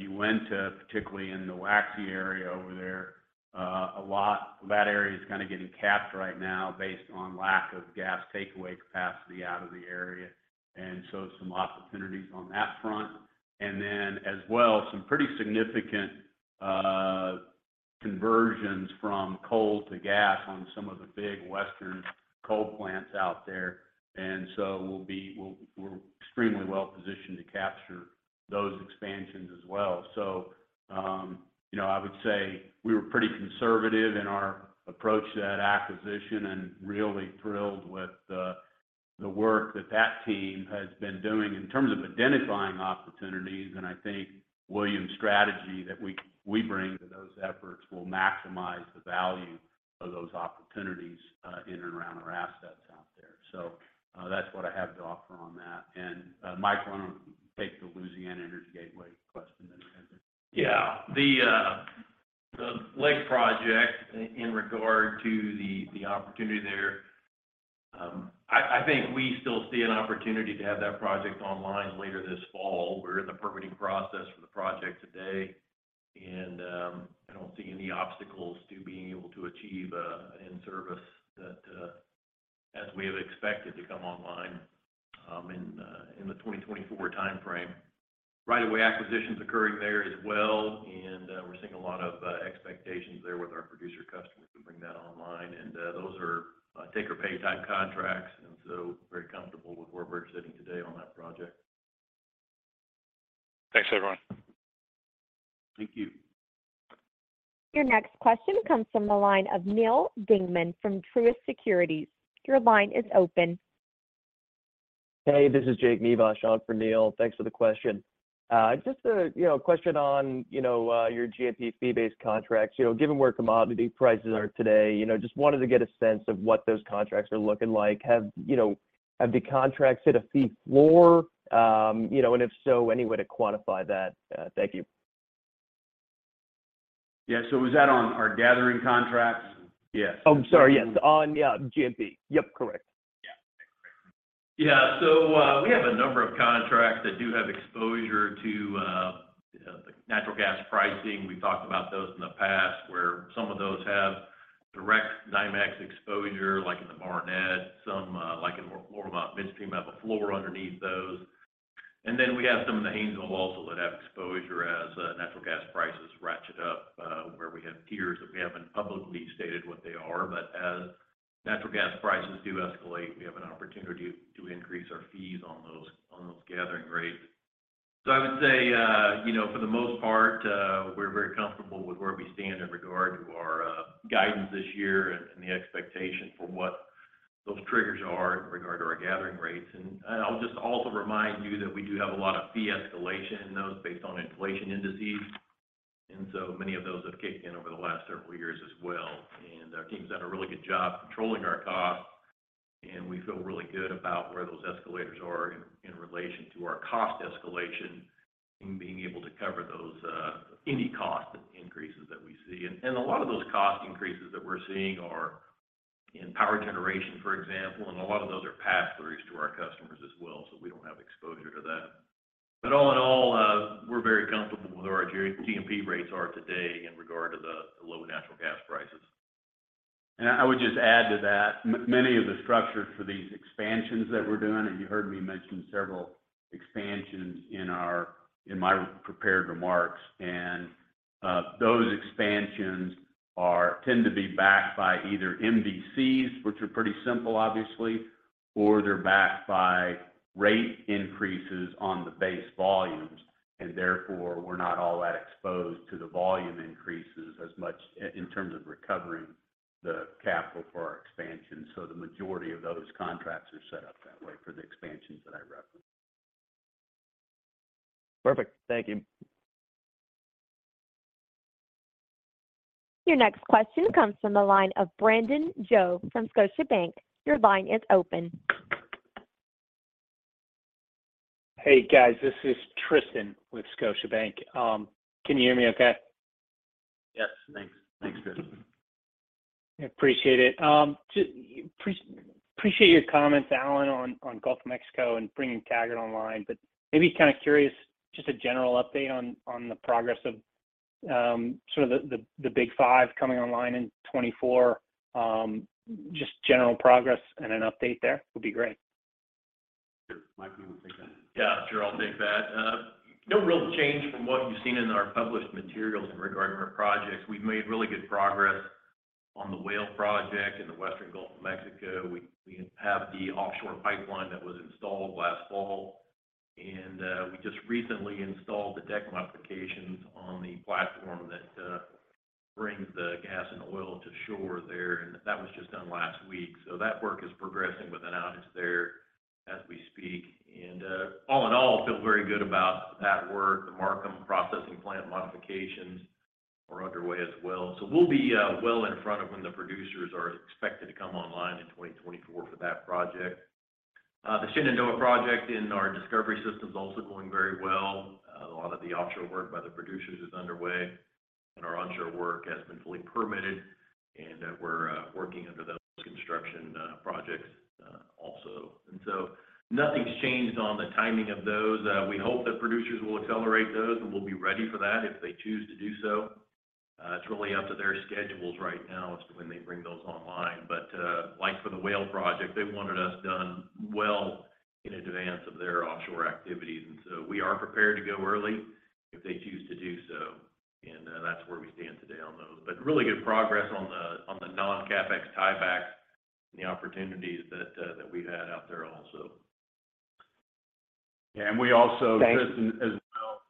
Uinta, particularly in the Waha area over there, a lot of that area is kinda getting capped right now based on lack of gas takeaway capacity out of the area, some opportunities on that front. As well, some pretty significant conversions from coal to gas on some of the big Western coal plants out there. We're extremely well positioned to capture those expansions as well. You know, I would say we were pretty conservative in our approach to that acquisition and really thrilled with the work that that team has been doing in terms of identifying opportunities. I think Williams' strategy that we bring to those efforts will maximize the value of those opportunities in and around-That's what I have to offer on that. Mike, why don't take the Louisiana Energy Gateway question then? Yeah. The LEG project in regard to the opportunity there, I think we still see an opportunity to have that project online later this fall. We're in the permitting process for the project today, and I don't see any obstacles to being able to achieve in service that as we have expected to come online in the 2024 timeframe. Right away, acquisition's occurring there as well, and we're seeing a lot of expectations there with our producer customers to bring that online. Those are take or pay type contracts, and so very comfortable with where we're sitting today on that project. Thanks, everyone. Thank you. Your next question comes from the line of Neal Dingman from Truist Securities. Your line is open. Hey, this is Jacob Nivasch on for Neil. Thanks for the question. Just a, you know, question on, you know, your GMP fee-based contracts. You know, given where commodity prices are today, you know, just wanted to get a sense of what those contracts are looking like. Have, you know, have the contracts hit a fee floor? You know, if so, any way to quantify that? Thank you. Yeah. Was that on our gathering contracts? Yes. Oh, sorry, yes. On, yeah, GMP. Yep, correct. Yeah. Yeah. We have a number of contracts that do have exposure to the natural gas pricing. We talked about those in the past, where some of those have direct NYMEX exposure, like in the Barnett. Some, like in Loramont Midstream, have a floor underneath those. We have some in the Haynesville also that have exposure as natural gas prices ratchet up, where we have tiers that we haven't publicly stated what they are. As natural gas prices do escalate, we have an opportunity to increase our fees on those gathering rates. I would say, you know, for the most part, we're very comfortable with where we stand in regard to our guidance this year and the expectation for what those triggers are in regard to our gathering rates. I'll just also remind you that we do have a lot of fee escalation in those based on inflation indices. Many of those have kicked in over the last several years as well. Our team's done a really good job controlling our costs, and we feel really good about where those escalators are in relation to our cost escalation and being able to cover those any cost increases that we see. A lot of those cost increases that we're seeing are in power generation, for example. A lot of those are pass-throughs to our customers as well, so we don't have exposure to that. All in all, we're very comfortable with where our GMP rates are today in regard to the low natural gas prices. I would just add to that many of the structures for these expansions that we're doing, and you heard me mention several expansions in our, in my prepared remarks. Those expansions tend to be backed by either MDCs, which are pretty simple, obviously, or they're backed by rate increases on the base volumes, and therefore, we're not all that exposed to the volume increases as much in terms of recovering the capital for our expansion. The majority of those contracts are set up that way for the expansions that I referenced. Perfect. Thank you. Your next question comes from the line of Brandon Joe from Scotiabank. Your line is open. Hey, guys, this is Tristan with Scotiabank. Can you hear me okay? Yes. Thanks. Thanks, Tristan. Appreciate it. Just appreciate your comments, Alan, on Gulf of Mexico and bringing Taggart online. Maybe kind of curious, just a general update on the progress of sort of the big five coming online in 2024. Just general progress and an update there would be great. Sure. Mike, do you wanna take that? Yeah, sure. I'll take that. No real change from what you've seen in our published materials in regard to our projects. We've made really good progress on the Whale project in the Western Gulf of Mexico. We have the offshore pipeline that was installed last fall. We just recently installed the deck modifications on the platform that brings the gas and oil to shore there. That was just done last week. That work is progressing with an outage there as we speak. All in all, feel very good about that work. The Markham processing plant modifications are underway as well. We'll be well in front of when the producers are expected to come online in 2024 for that project. The Shenandoah project in our discovery system is also going very well. A lot of the offshore work by the producers is underway, and our onshore work has been fully permitted, and we're working under those construction projects also. Nothing's changed on the timing of those. We hope that producers will accelerate those, and we'll be ready for that if they choose to do so. It's really up to their schedules right now as to when they bring those online. Like for the Whale project, they wanted us done well in advance of their offshore activities, and so we are prepared to go early if they choose to do so. That's where we stand today on those. Really good progress on the non-CapEx tiebacks and the opportunities that we've had out there also. Yeah. Thanks. Tristan, as well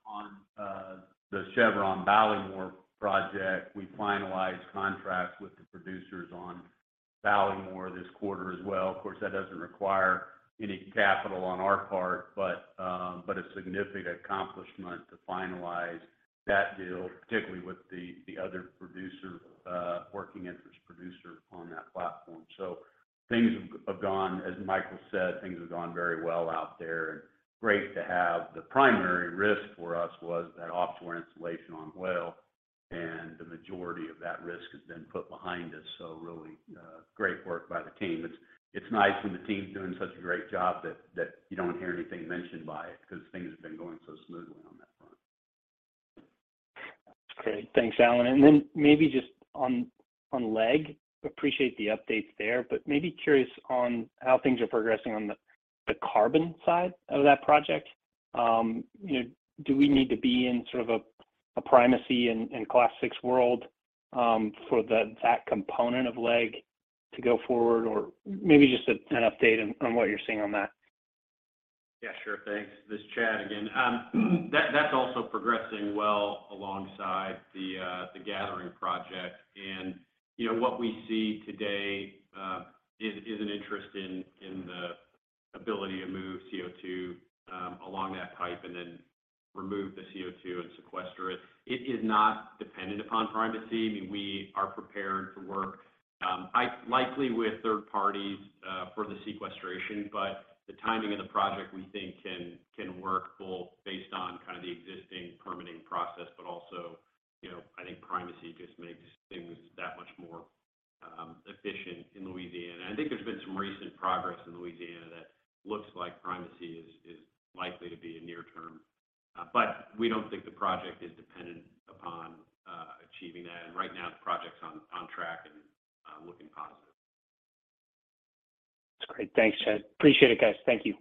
on the Chevron Ballymore project, we finalized contracts with the producers on Ballymore this quarter as well. Of course, that doesn't require any capital on our part, but a significant accomplishment to finalize that deal, particularly with the other producer, working interest producer on that platform. Things have gone, as Micheal said, things have gone very well out there, and great to have. The primary risk for us was that offshore installation on well, and the majority of that risk has been put behind us. Really, great work by the team. It's nice when the team's doing such a great job that you don't hear anything mentioned by it because things have been going so smoothly on that front. That's great. Thanks, Alan. Then maybe just on LEG, appreciate the updates there, but maybe curious on how things are progressing on the carbon side of that project. You know, do we need to be in sort of a primacy in Class VI world for that component of LEG to go forward? Maybe just a, an update on what you're seeing on that. Yeah, sure. Thanks. This is Chad again. That's also progressing well alongside the gathering project. You know, what we see today is an interest in the ability to move CO2 along that pipe and then remove the CO2 and sequester it. It is not dependent upon primacy. I mean, we are prepared to work likely with third parties for the sequestration, but the timing of the project, we think can work full based on kind of the existing permitting process. Also, you know, I think primacy just makes things that much more efficient in Louisiana. I think there's been some recent progress in Louisiana that looks like primacy is likely to be a near term. We don't think the project is dependent upon achieving that. Right now the project's on track and looking positive. That's great. Thanks, Chad. Appreciate it, guys. Thank you.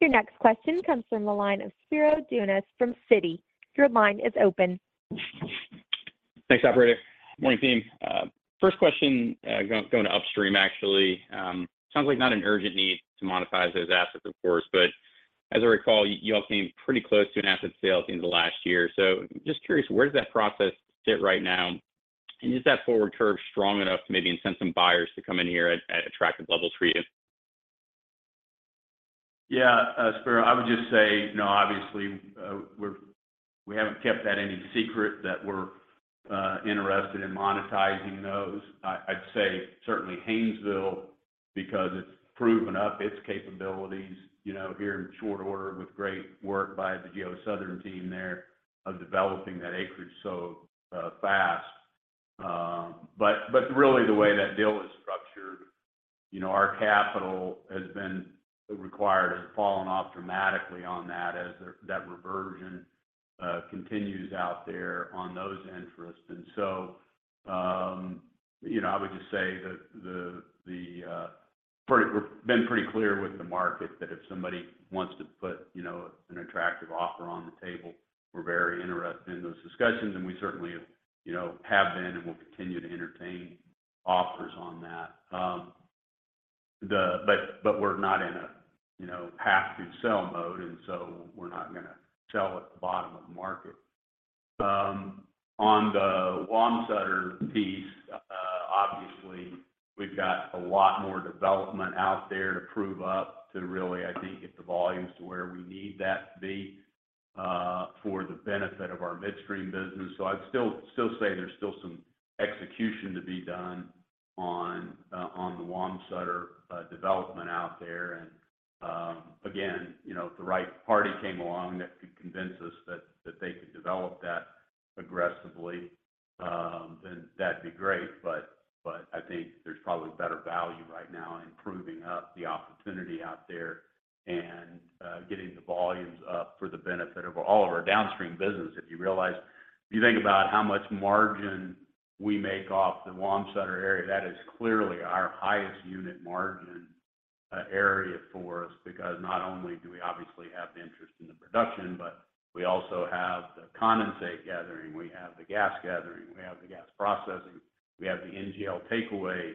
Your next question comes from the line of Spiro Dounis from Citi. Your line is open. Thanks, Operator. Morning team. First question, going to upstream actually. Sounds like not an urgent need to monetize those assets, of course, but as I recall, y'all came pretty close to an asset sale at the end of last year. Just curious, where does that process sit right now, and is that forward curve strong enough to maybe incent some buyers to come in here at attractive levels for you? Yeah. Spiro, I would just say no, obviously, we haven't kept that any secret that we're interested in monetizing those. I'd say certainly Haynesville, because it's proven up its capabilities, you know, here in short order with great work by the GeoSouthern team there of developing that acreage so fast. Really the way that deal is structured, you know, our capital has been required, has fallen off dramatically on that as that reversion continues out there on those interests. I would just say that the, we've been pretty clear with the market that if somebody wants to put, you know, an attractive offer on the table, we're very interested in those discussions. We certainly, you know, have been and will continue to entertain offers on that. We're not in a, you know, have to sell mode, and so we're not gonna sell at the bottom of the market. On the Wamsutter piece, obviously we've got a lot more development out there to prove up to really, I think, get the volumes to where we need that to be, for the benefit of our midstream business. I'd still say there's still some execution to be done on the Wamsutter development out there. Again, you know, if the right party came along that could convince us that they could develop that aggressively, then that'd be great. I think there's probably better value right now in proving up the opportunity out there and getting the volumes up for the benefit of all of our downstream business. If you think about how much margin we make off the Wamsutter area, that is clearly our highest unit margin area for us, because not only do we obviously have the interest in the production, but we also have the condensate gathering, we have the gas gathering, we have the gas processing, we have the NGL takeaway.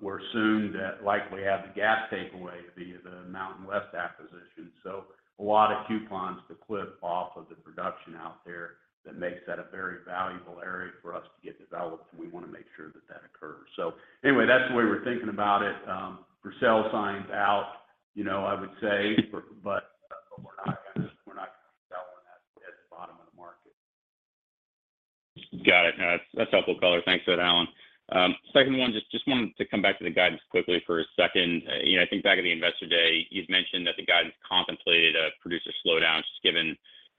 We're soon to likely have the gas takeaway via the Mountain West acquisition. A lot of coupons to clip off of the production out there that makes that a very valuable area for us to get developed, and we wanna make sure that that occurs. Anyway, that's the way we're thinking about it. For sale sign's out, you know, I would say, but we're not gonna sell when that's at the bottom of the market. Got it. No, that's helpful color. Thanks for that, Alan. Second one, just wanted to come back to the guidance quickly for a second. You know, I think back at the Investor Day, you'd mentioned that the guidance contemplated a producer slowdown, just given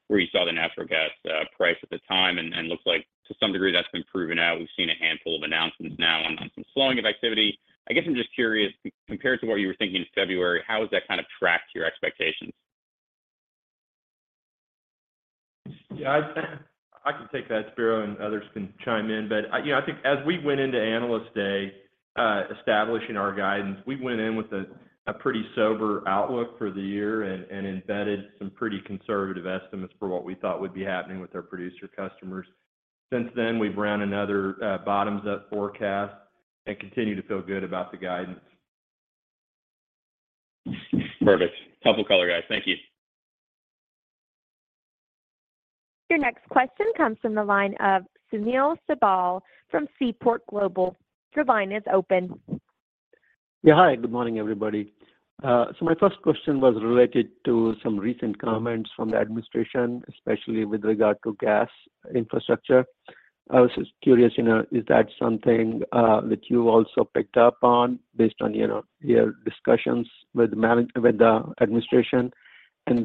where you saw the natural gas price at the time. Looks like to some degree that's been proven out. We've seen a handful of announcements now on some slowing of activity. I guess I'm just curious, compared to what you were thinking in February, how has that kind of tracked to your expectations? I can take that, Spiro, and others can chime in. I, you know, I think as we went into Analyst Day, establishing our guidance, we went in with a pretty sober outlook for the year and embedded some pretty conservative estimates for what we thought would be happening with our producer customers. Since then, we've ran another bottoms-up forecast and continue to feel good about the guidance. Perfect. Helpful color, guys. Thank you. Your next question comes from the line of Sunil Sibal from Seaport Global. Your line is open. Hi, good morning, everybody. My first question was related to some recent comments from the administration, especially with regard to gas infrastructure. I was just curious, you know, is that something that you also picked up on based on, you know, your discussions with the administration? Is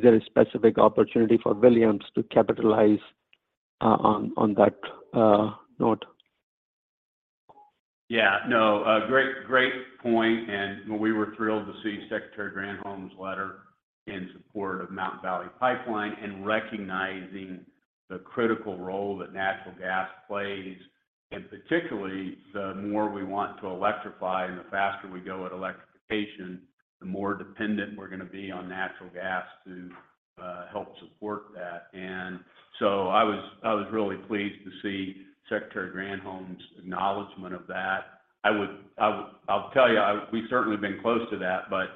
there a specific opportunity for Williams to capitalize on that note? Yeah. No, great point. We were thrilled to see Secretary Granholm's letter in support of Mountain Valley Pipeline and recognizing the critical role that natural gas plays. Particularly, the more we want to electrify and the faster we go at electrification, the more dependent we're gonna be on natural gas to help support that. I was really pleased to see Secretary Granholm's acknowledgment of that. I'll tell you, we've certainly been close to that. But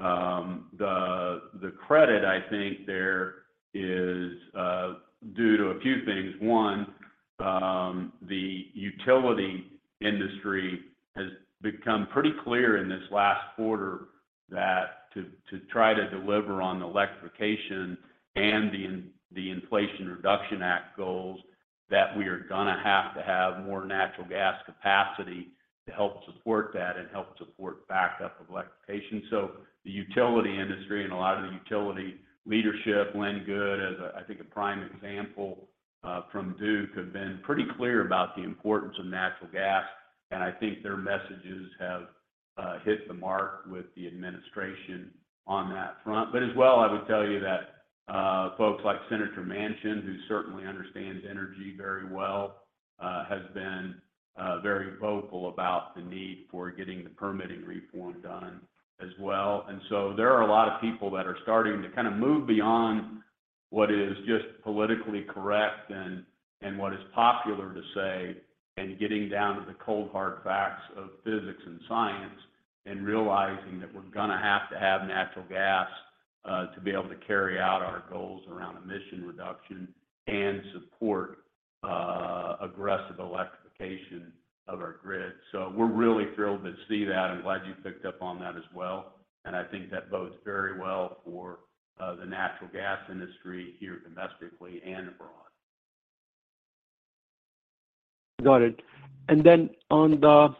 the credit, I think there is due to a few things. One, the utility industry has become pretty clear in this last quarter that to try to deliver on electrification and the Inflation Reduction Act goals, that we are gonna have to have more natural gas capacity to help support that and help support backup electrification. The utility industry and a lot of the utility leadership, Lynn Good, as I think a prime example, from Duke, have been pretty clear about the importance of natural gas, and I think their messages have hit the mark with the administration on that front. I would tell you that, folks like Senator Manchin, who certainly understands energy very well, has been very vocal about the need for getting the permitting reform done as well. There are a lot of people that are starting to kind of move beyond what is just politically correct and what is popular to say, and getting down to the cold, hard facts of physics and science and realizing that we're gonna have to have natural gas to be able to carry out our goals around emission reduction and support aggressive electrification of our grid. We're really thrilled to see that. I'm glad you picked up on that as well, and I think that bodes very well for the natural gas industry here domestically and abroad. Got it. On the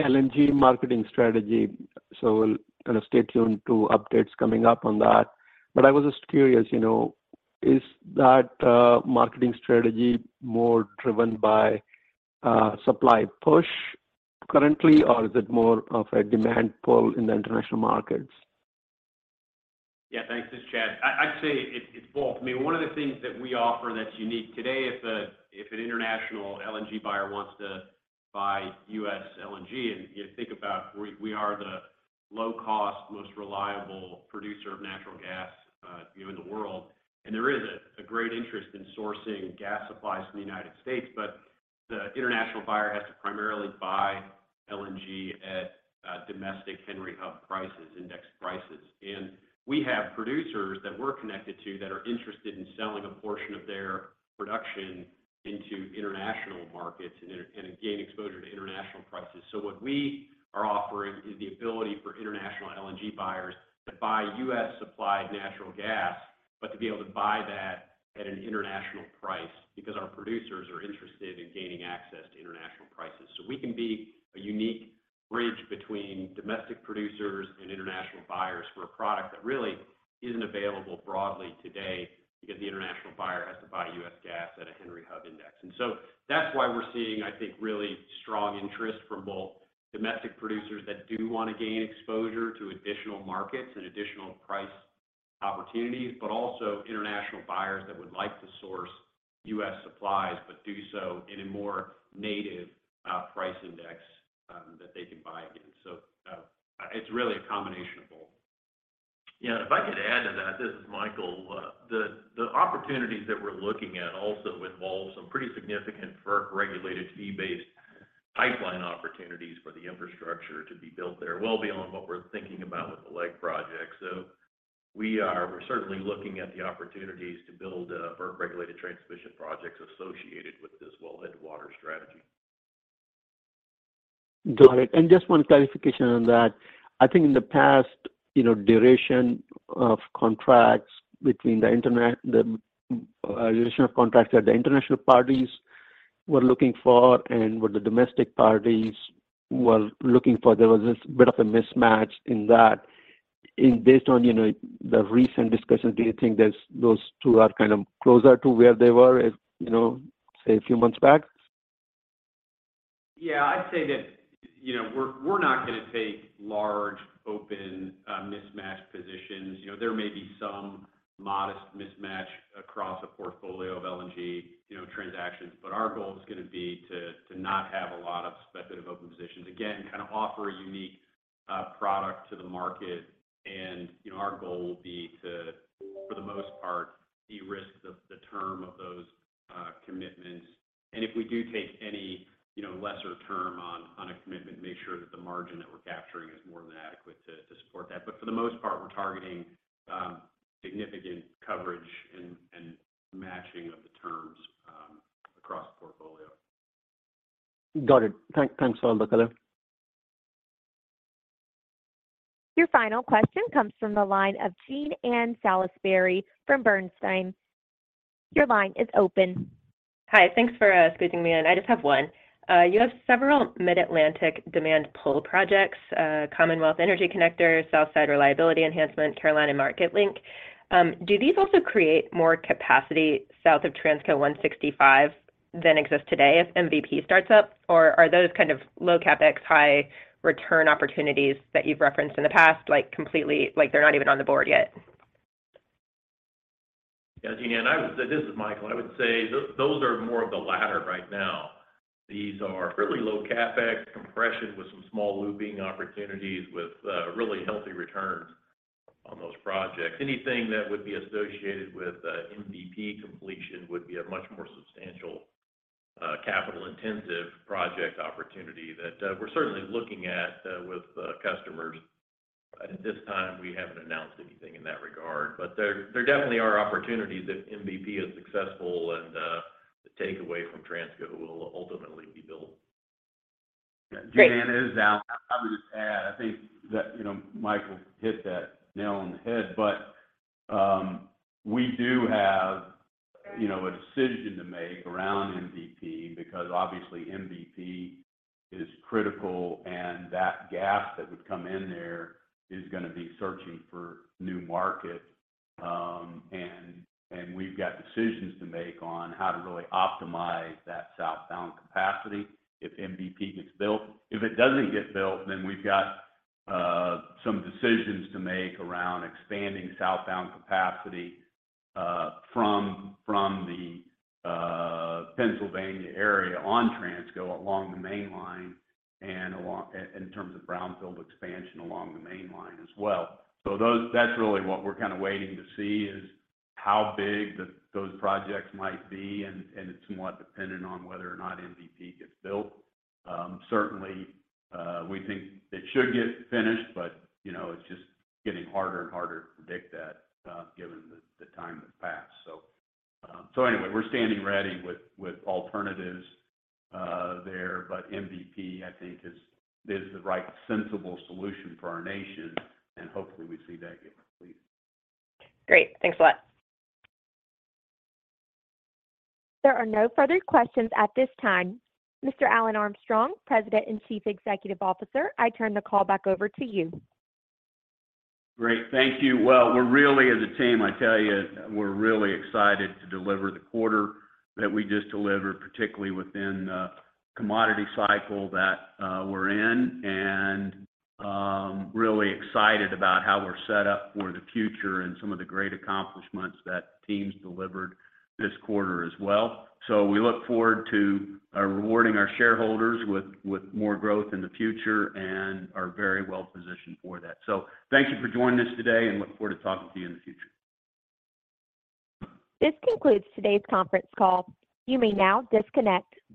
LNG marketing strategy. We'll kind of stay tuned to updates coming up on that. I was just curious, you know, is that marketing strategy more driven by supply push currently, or is it more of a demand pull in the international markets? Yeah, thanks. This is Chad. I'd say it's both. I mean, one of the things that we offer that's unique today, if an international LNG buyer wants to buy U.S. LNG, and you think about we are the low cost, most reliable producer of natural gas, you know, in the world. There is a great interest in sourcing gas supplies from the United States. The international buyer has to primarily buy LNG at domestic Henry Hub prices, index prices. We have producers that we're connected to that are interested in selling a portion of their production into international markets and gain exposure to international prices. What we are offering is the ability for international LNG buyers to buy U.S.-supplied natural gas, but to be able to buy that at an international price because our producers are interested in gaining access to international prices. We can be a unique bridge between domestic producers and international buyers for a product that really isn't available broadly today because the international buyer has to buy U.S. gas at a Henry Hub index. That's why we're seeing, I think, really strong interest from both domestic producers that do wanna gain exposure to additional markets and additional price opportunities, but also international buyers that would like to source U.S. supplies, but do so in a more native price index that they can buy against. It's really a combination of both. Yeah. If I could add to that. This is Micheal. The opportunities that we're looking at also involve some pretty significant FERC-regulated fee-based pipeline opportunities for the infrastructure to be built there, well beyond what we're thinking about with the LEG project. We are certainly looking at the opportunities to build FERC-regulated transmission projects associated with this wellhead water strategy. Got it. Just one clarification on that. I think in the past, you know, duration of contracts between the duration of contracts that the international parties were looking for and what the domestic parties were looking for, there was this bit of a mismatch in that. Based on, you know, the recent discussions, do you think those two are kind of closer to where they were as, you know, say, a few months back? Yeah, I'd say that, you know, we're not gonna take large, open, mismatched positions. You know, there may be some modest mismatch across a portfolio of LNG, you know, transactions, but our goal is gonna be to not have a lot of speculative open positions. Kind of offer a unique product to the market. You know, our goal will be to, for the most part, derisk the term of those commitments. If we do take any, you know, lesser term on a commitment, make sure that the margin that we're capturing is more than adequate to support that. For the most part, we're targeting significant coverage and matching of the terms across the portfolio. Got it. Thanks for the color. Your final question comes from the line of Jean Ann Salisbury from Bernstein. Your line is open. Hi. Thanks for squeezing me in. I just have one. You have several Mid-Atlantic demand pull projects, Commonwealth Energy Connector, Southside Reliability Enhancement, Carolina Market Link. Do these also create more capacity south of Transco 165 than exists today if MVP starts up? Are those kind of low CapEx, high return opportunities that you've referenced in the past, like, completely like, they're not even on the board yet? Yeah, Jean Ann, I would say. This is Micheal. I would say those are more of the latter right now. These are fairly low CapEx compression with some small looping opportunities with really healthy returns on those projects. Anything that would be associated with MVP completion would be a much more substantial, capital-intensive project opportunity that we're certainly looking at with customers. At this time, we haven't announced anything in that regard. There definitely are opportunities if MVP is successful and the takeaway from Transco will ultimately be built. Great. Jean Ann, this is Alan. I would just add, I think that, you know, Micheal hit that nail on the head. We do have, you know, a decision to make around MVP because obviously MVP is critical, and that gas that would come in there is gonna be searching for new markets. And we've got decisions to make on how to really optimize that southbound capacity if MVP gets built. If it doesn't get built, then we've got some decisions to make around expanding southbound capacity from the Pennsylvania area on Transco along the main line and in terms of brownfield expansion along the main line as well. That's really what we're kind of waiting to see is how big those projects might be, and it's somewhat dependent on whether or not MVP gets built. Certainly, we think it should get finished, you know, it's just getting harder and harder to predict that, given the time that's passed. Anyway, we're standing ready with alternatives there, MVP, I think is the right sensible solution for our nation, hopefully we see that get completed. Great. Thanks a lot. There are no further questions at this time. Mr. Alan Armstrong, President and Chief Executive Officer, I turn the call back over to you. Great. Thank you. Well, we're really as a team, I tell you, we're really excited to deliver the quarter that we just delivered, particularly within the commodity cycle that we're in, and really excited about how we're set up for the future and some of the great accomplishments that teams delivered this quarter as well. We look forward to rewarding our shareholders with more growth in the future and are very well-positioned for that. Thank you for joining us today and look forward to talking to you in the future. This concludes today's conference call. You may now disconnect.